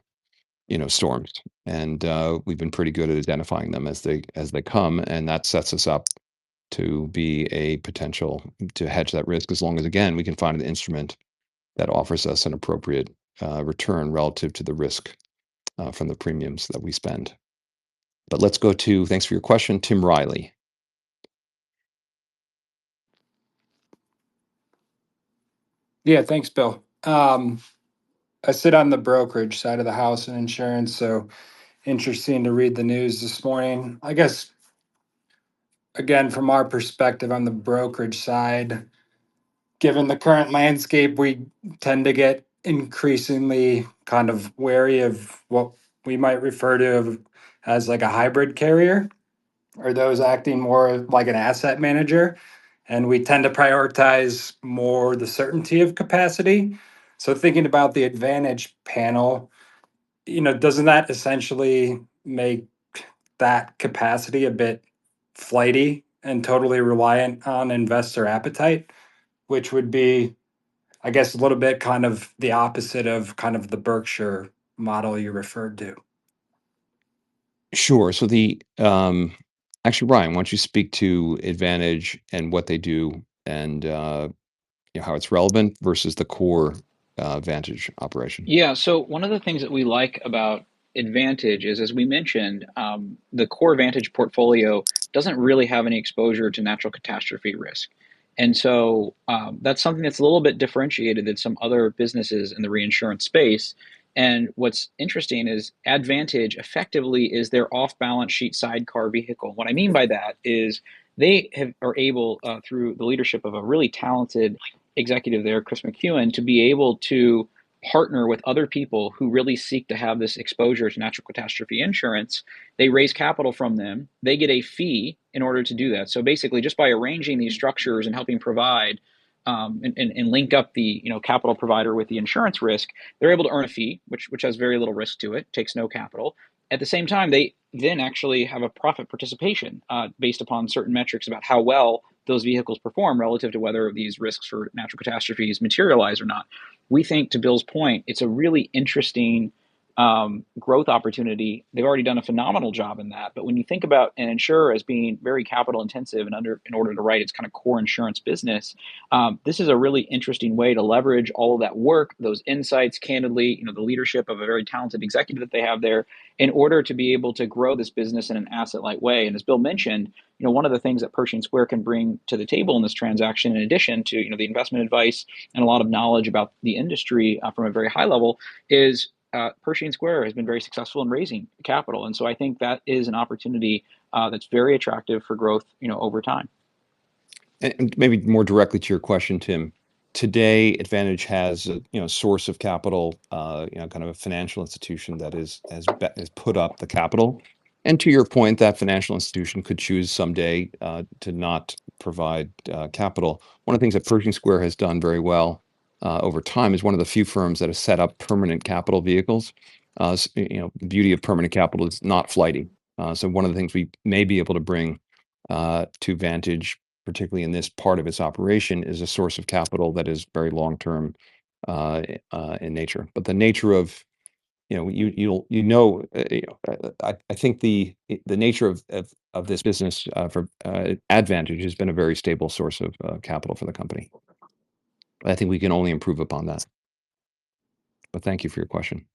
you know, storms. And, we've been pretty good at identifying them as they come. And that sets us up to be a potential to hedge that risk as long as, again, we can find an instrument that offers us an appropriate return relative to the risk, from the premiums that we spend. But let's go to, thanks for your question, Tim Riley. Yeah, thanks, Bill. I sit on the brokerage side of the house in insurance, so interesting to read the news this morning. I guess, again, from our perspective on the brokerage side, given the current landscape, we tend to get increasingly kind of wary of what we might refer to as like a hybrid carrier. Are those acting more like an asset manager? And we tend to prioritize more the certainty of capacity. So thinking about the AdVantage panel, you know, doesn't that essentially make that capacity a bit flighty and totally reliant on investor appetite, which would be, I guess, a little bit kind of the opposite of kind of the Berkshire model you referred to? Sure. So, actually, Ryan, why don't you speak to AdVantage and what they do and, you know, how it's relevant versus the core Vantage operation? Yeah. So one of the things that we like about AdVantage is, as we mentioned, the core Vantage portfolio doesn't really have any exposure to natural catastrophe risk. And so, that's something that's a little bit differentiated than some other businesses in the reinsurance space. And what's interesting is AdVantage effectively is their off-balance sheet sidecar vehicle. What I mean by that is they are able, through the leadership of a really talented executive there, Chris McKeown, to be able to partner with other people who really seek to have this exposure to natural catastrophe insurance. They raise capital from them. They get a fee in order to do that. So basically, just by arranging these structures and helping provide and link up the, you know, capital provider with the insurance risk, they're able to earn a fee, which has very little risk to it, takes no capital. At the same time, they then actually have a profit participation, based upon certain metrics about how well those vehicles perform relative to whether these risks for natural catastrophes materialize or not. We think, to Bill's point, it's a really interesting growth opportunity. They've already done a phenomenal job in that. But when you think about an insurer as being very capital intensive and under, in order to write its kind of core insurance business, this is a really interesting way to leverage all of that work, those insights, candidly, you know, the leadership of a very talented executive that they have there in order to be able to grow this business in an asset-like way. And as Bill mentioned, you know, one of the things that Pershing Square can bring to the table in this transaction, in addition to, you know, the investment advice and a lot of knowledge about the industry from a very high level is, Pershing Square has been very successful in raising capital. And so I think that is an opportunity, that's very attractive for growth, you know, over time. Maybe more directly to your question, Tim, today AdVantage has a, you know, source of capital, you know, kind of a financial institution that has put up the capital. To your point, that financial institution could choose someday to not provide capital. One of the things that Pershing Square has done very well over time is one of the few firms that have set up permanent capital vehicles. You know, the beauty of permanent capital is not flighty. So one of the things we may be able to bring to Vantage, particularly in this part of its operation, is a source of capital that is very long-term in nature. But the nature of, you know, I think the nature of this business for AdVantage has been a very stable source of capital for the company. I think we can only improve upon that, but thank you for your question.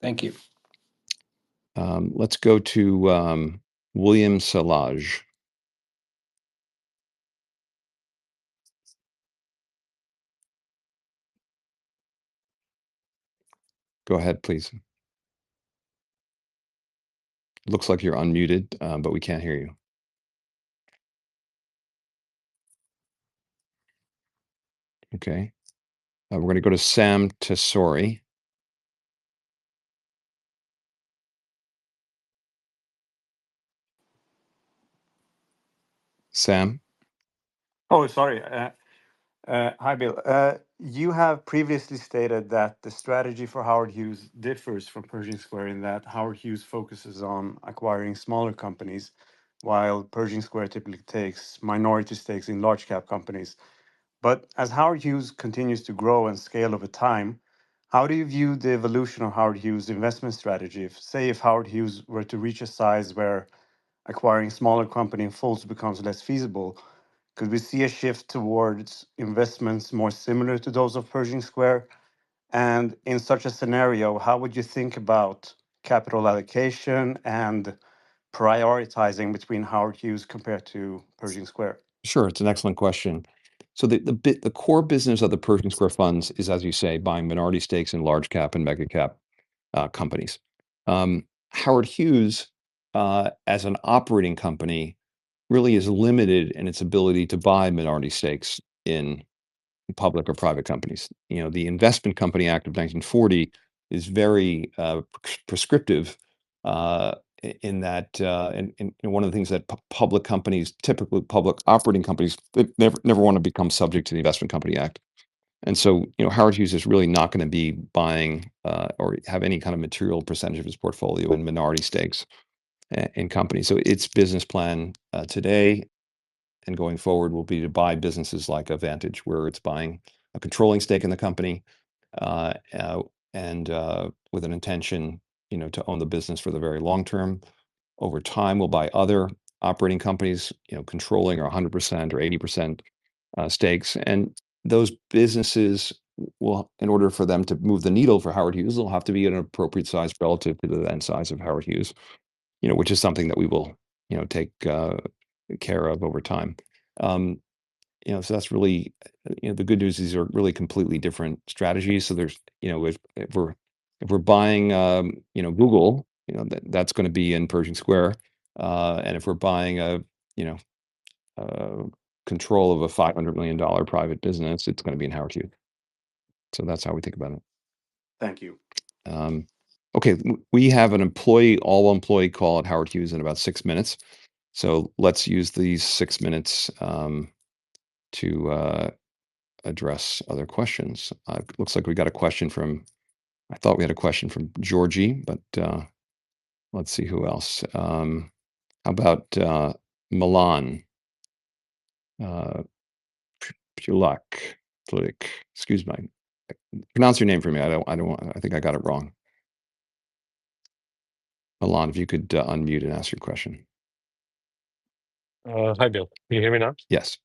Thank you. Let's go to William Selage. Go ahead, please. Looks like you're unmuted, but we can't hear you. Okay. We're going to go to Sam Tesori. Sam. Oh, sorry. Hi, Bill. You have previously stated that the strategy for Howard Hughes differs from Pershing Square in that Howard Hughes focuses on acquiring smaller companies while Pershing Square typically takes minority stakes in large cap companies. But as Howard Hughes continues to grow and scale over time, how do you view the evolution of Howard Hughes' investment strategy? If, say, Howard Hughes were to reach a size where acquiring smaller company in full becomes less feasible, could we see a shift towards investments more similar to those of Pershing Square? And in such a scenario, how would you think about capital allocation and prioritizing between Howard Hughes compared to Pershing Square? Sure. It's an excellent question. So the core business of the Pershing Square funds is, as you say, buying minority stakes in large cap and mega cap companies. Howard Hughes, as an operating company really is limited in its ability to buy minority stakes in public or private companies. You know, the Investment Company Act of 1940 is very prescriptive in that, and one of the things that public companies, typically public operating companies, never want to become subject to the Investment Company Act. And so, you know, Howard Hughes is really not going to be buying, or have any kind of material percentage of his portfolio in minority stakes in companies. So its business plan, today and going forward, will be to buy businesses like AdVantage where it's buying a controlling stake in the company, and, with an intention, you know, to own the business for the very long term. Over time, we'll buy other operating companies, you know, controlling or 100% or 80% stakes. And those businesses will, in order for them to move the needle for Howard Hughes, they'll have to be at an appropriate size relative to the then size of Howard Hughes, you know, which is something that we will, you know, take care of over time. You know, so that's really, you know, the good news is these are really completely different strategies. So there's, you know, if we're buying, you know, Google, you know, that's going to be in Pershing Square. And if we're buying a, you know, control of a $500 million private business, it's going to be in Howard Hughes. So that's how we think about it. Thank you. Okay. We have an all-employee call at Howard Hughes in about six minutes. So let's use these six minutes to address other questions. Looks like we've got a question from. I thought we had a question from Georgie, but let's see who else. How about Milan Pjulak. Excuse my pronunciation of your name for me. I don't want. I think I got it wrong. Milan, if you could unmute and ask your question. Hi, Bill. Can you hear me now? Yes.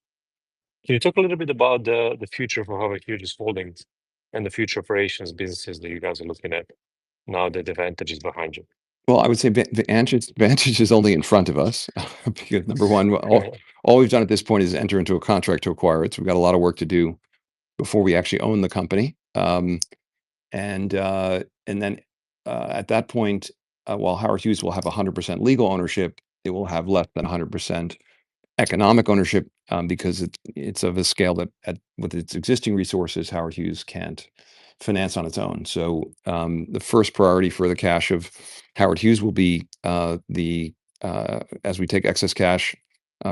Can you talk a little bit about the future for Howard Hughes Holdings and the future operations businesses that you guys are looking at now that Vantage is behind you? I would say the AdVantage is only in front of us because number one, all we've done at this point is enter into a contract to acquire it. So we've got a lot of work to do before we actually own the company. And then, at that point, while Howard Hughes will have 100% legal ownership, it will have less than 100% economic ownership, because it's of a scale that with its existing resources, Howard Hughes can't finance on its own. So, the first priority for the cash of Howard Hughes will be as we take excess cash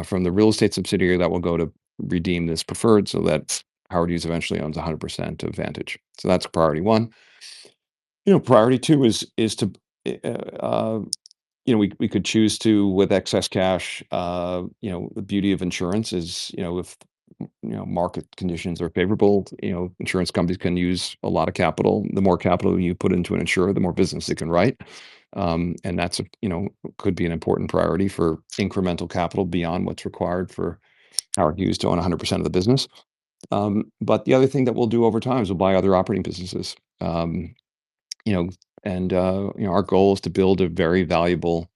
from the real estate subsidiary that will go to redeem this preferred so that Howard Hughes eventually owns 100% of Vantage. So that's priority one. You know, priority two is to, you know, we could choose to, with excess cash, you know, the beauty of insurance is, you know, if, you know, market conditions are favorable, you know, insurance companies can use a lot of capital. The more capital you put into an insurer, the more business they can write, and that's a, you know, could be an important priority for incremental capital beyond what's required for Howard Hughes to own 100% of the business. But the other thing that we'll do over time is we'll buy other operating businesses. You know, and, you know, our goal is to build a very valuable,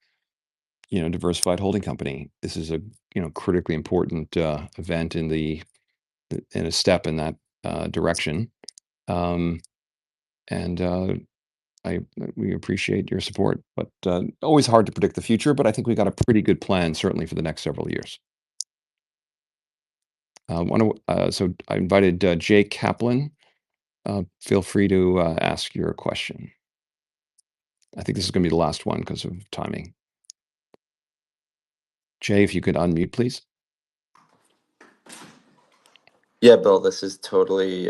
you know, diversified holding company. This is a, you know, critically important event in a step in that direction. And we appreciate your support, but always hard to predict the future, but I think we've got a pretty good plan certainly for the next several years. So I invited Jay Kaplan. Feel free to ask your question. I think this is going to be the last one because of timing. Jay, if you could unmute, please. Yeah, Bill, this is totally,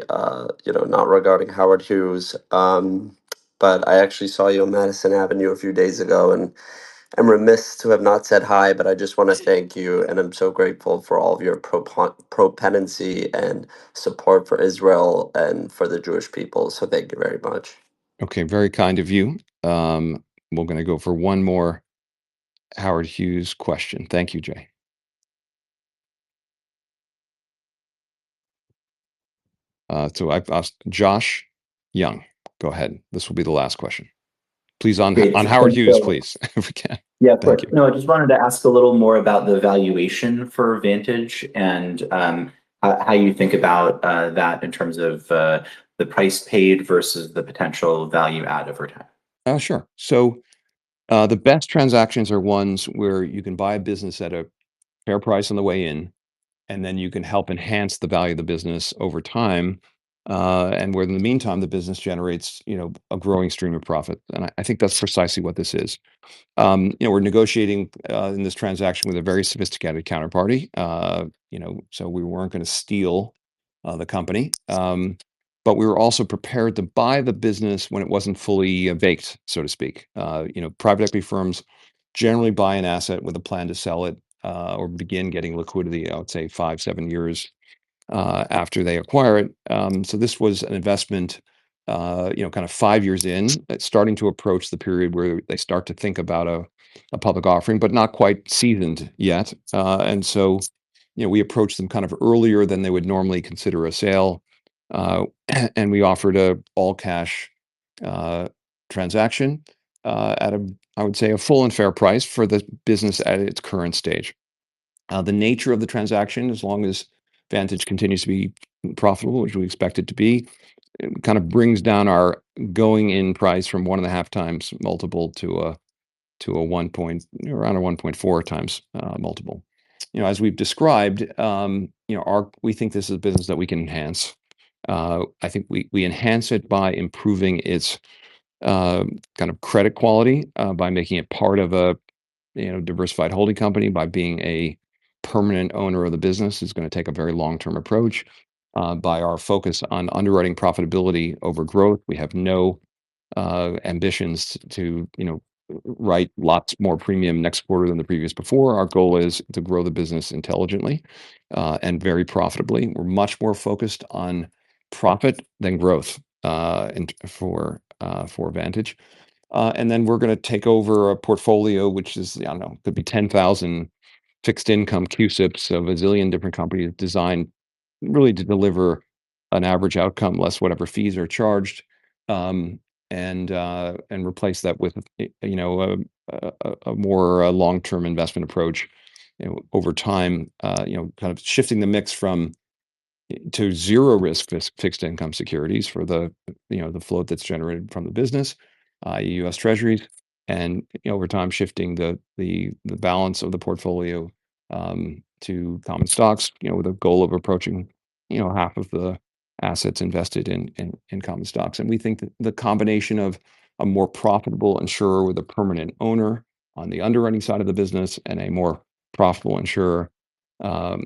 you know, not regarding Howard Hughes, but I actually saw you on Madison Avenue a few days ago and I'm remiss to have not said hi, but I just want to thank you and I'm so grateful for all of your propensity and support for Israel and for the Jewish people. So thank you very much. Okay. Very kind of you. We're going to go for one more Howard Hughes question. Thank you, Jay. So I've asked Josh Young. Go ahead. This will be the last question. Please on Howard Hughes, please, if we can. Yeah, perfect. No, I just wanted to ask a little more about the valuation for Vantage and how, how you think about that in terms of the price paid versus the potential value add over time. Sure. So, the best transactions are ones where you can buy a business at a fair price on the way in, and then you can help enhance the value of the business over time, and where in the meantime, the business generates, you know, a growing stream of profit. And I think that's precisely what this is. You know, we're negotiating in this transaction with a very sophisticated counterparty, you know, so we weren't going to steal the company. But we were also prepared to buy the business when it wasn't fully vacant, so to speak. You know, private equity firms generally buy an asset with a plan to sell it, or begin getting liquidity, I would say five, seven years, after they acquire it. So this was an investment, you know, kind of five years in, starting to approach the period where they start to think about a public offering, but not quite seasoned yet. And so, you know, we approached them kind of earlier than they would normally consider a sale. And we offered an all cash transaction at a, I would say a full and fair price for the business at its current stage. The nature of the transaction, as long as Vantage continues to be profitable, which we expect it to be, kind of brings down our going in price from one and a half times multiple to a one point around a 1.4x multiple. You know, as we've described, you know, our, we think this is a business that we can enhance. I think we enhance it by improving its kind of credit quality, by making it part of a, you know, diversified holding company, by being a permanent owner of the business. It's going to take a very long-term approach, by our focus on underwriting profitability over growth. We have no ambitions to, you know, write lots more premium next quarter than the previous before. Our goal is to grow the business intelligently, and very profitably. We're much more focused on profit than growth, and for Vantage. And then we're going to take over a portfolio, which is, I don't know, could be 10,000 fixed income CUSIPs of a zillion different companies designed really to deliver an average outcome, less whatever fees are charged. And replace that with, you know, a more long-term investment approach, you know, over time, you know, kind of shifting the mix from to zero risk fixed income securities for the, you know, the float that's generated from the business, i.e., U.S. Treasuries. And over time, shifting the balance of the portfolio to common stocks, you know, with a goal of approaching, you know, half of the assets invested in common stocks. And we think that the combination of a more profitable insurer with a permanent owner on the underwriting side of the business and a more profitable insurer,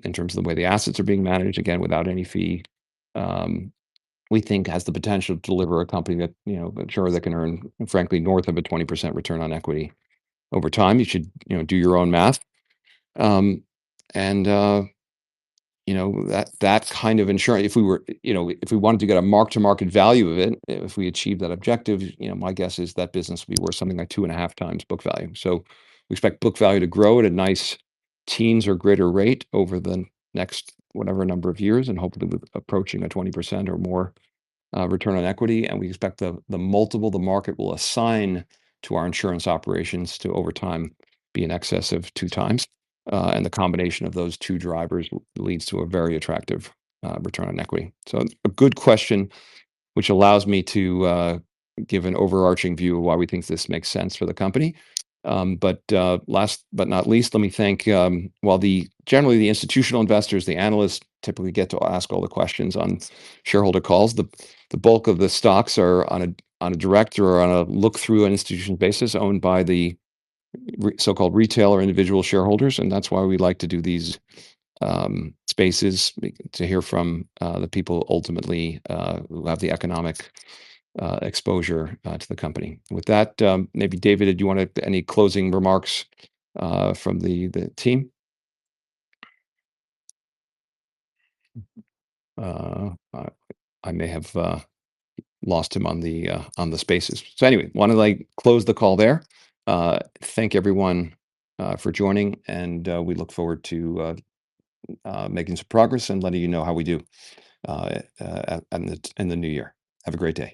in terms of the way the assets are being managed, again, without any fee, we think has the potential to deliver a company that, you know, an insurer that can earn, frankly, north of a 20% return on equity over time. You should, you know, do your own math. And, you know, that, that kind of insurance, if we were, you know, if we wanted to get a mark-to-market value of it, if we achieved that objective, you know, my guess is that business would be worth something like two and a half times book value. So we expect book value to grow at a nice teens or greater rate over the next whatever number of years, and hopefully we're approaching a 20% or more return on equity. And we expect the, the multiple the market will assign to our insurance operations to over time be in excess of two times. And the combination of those two drivers leads to a very attractive return on equity. So a good question, which allows me to give an overarching view of why we think this makes sense for the company. But, last but not least, let me thank, while generally the institutional investors, the analysts typically get to ask all the questions on shareholder calls, the bulk of the stocks are on a direct or on a look-through institution basis owned by the so-called retail or individual shareholders. And that's why we like to do these spaces to hear from the people ultimately who have the economic exposure to the company. With that, maybe David, did you want to any closing remarks from the team? I may have lost him on the spaces. So anyway, wanted to close the call there. Thank everyone for joining, and we look forward to making some progress and letting you know how we do in the new year. Have a great day.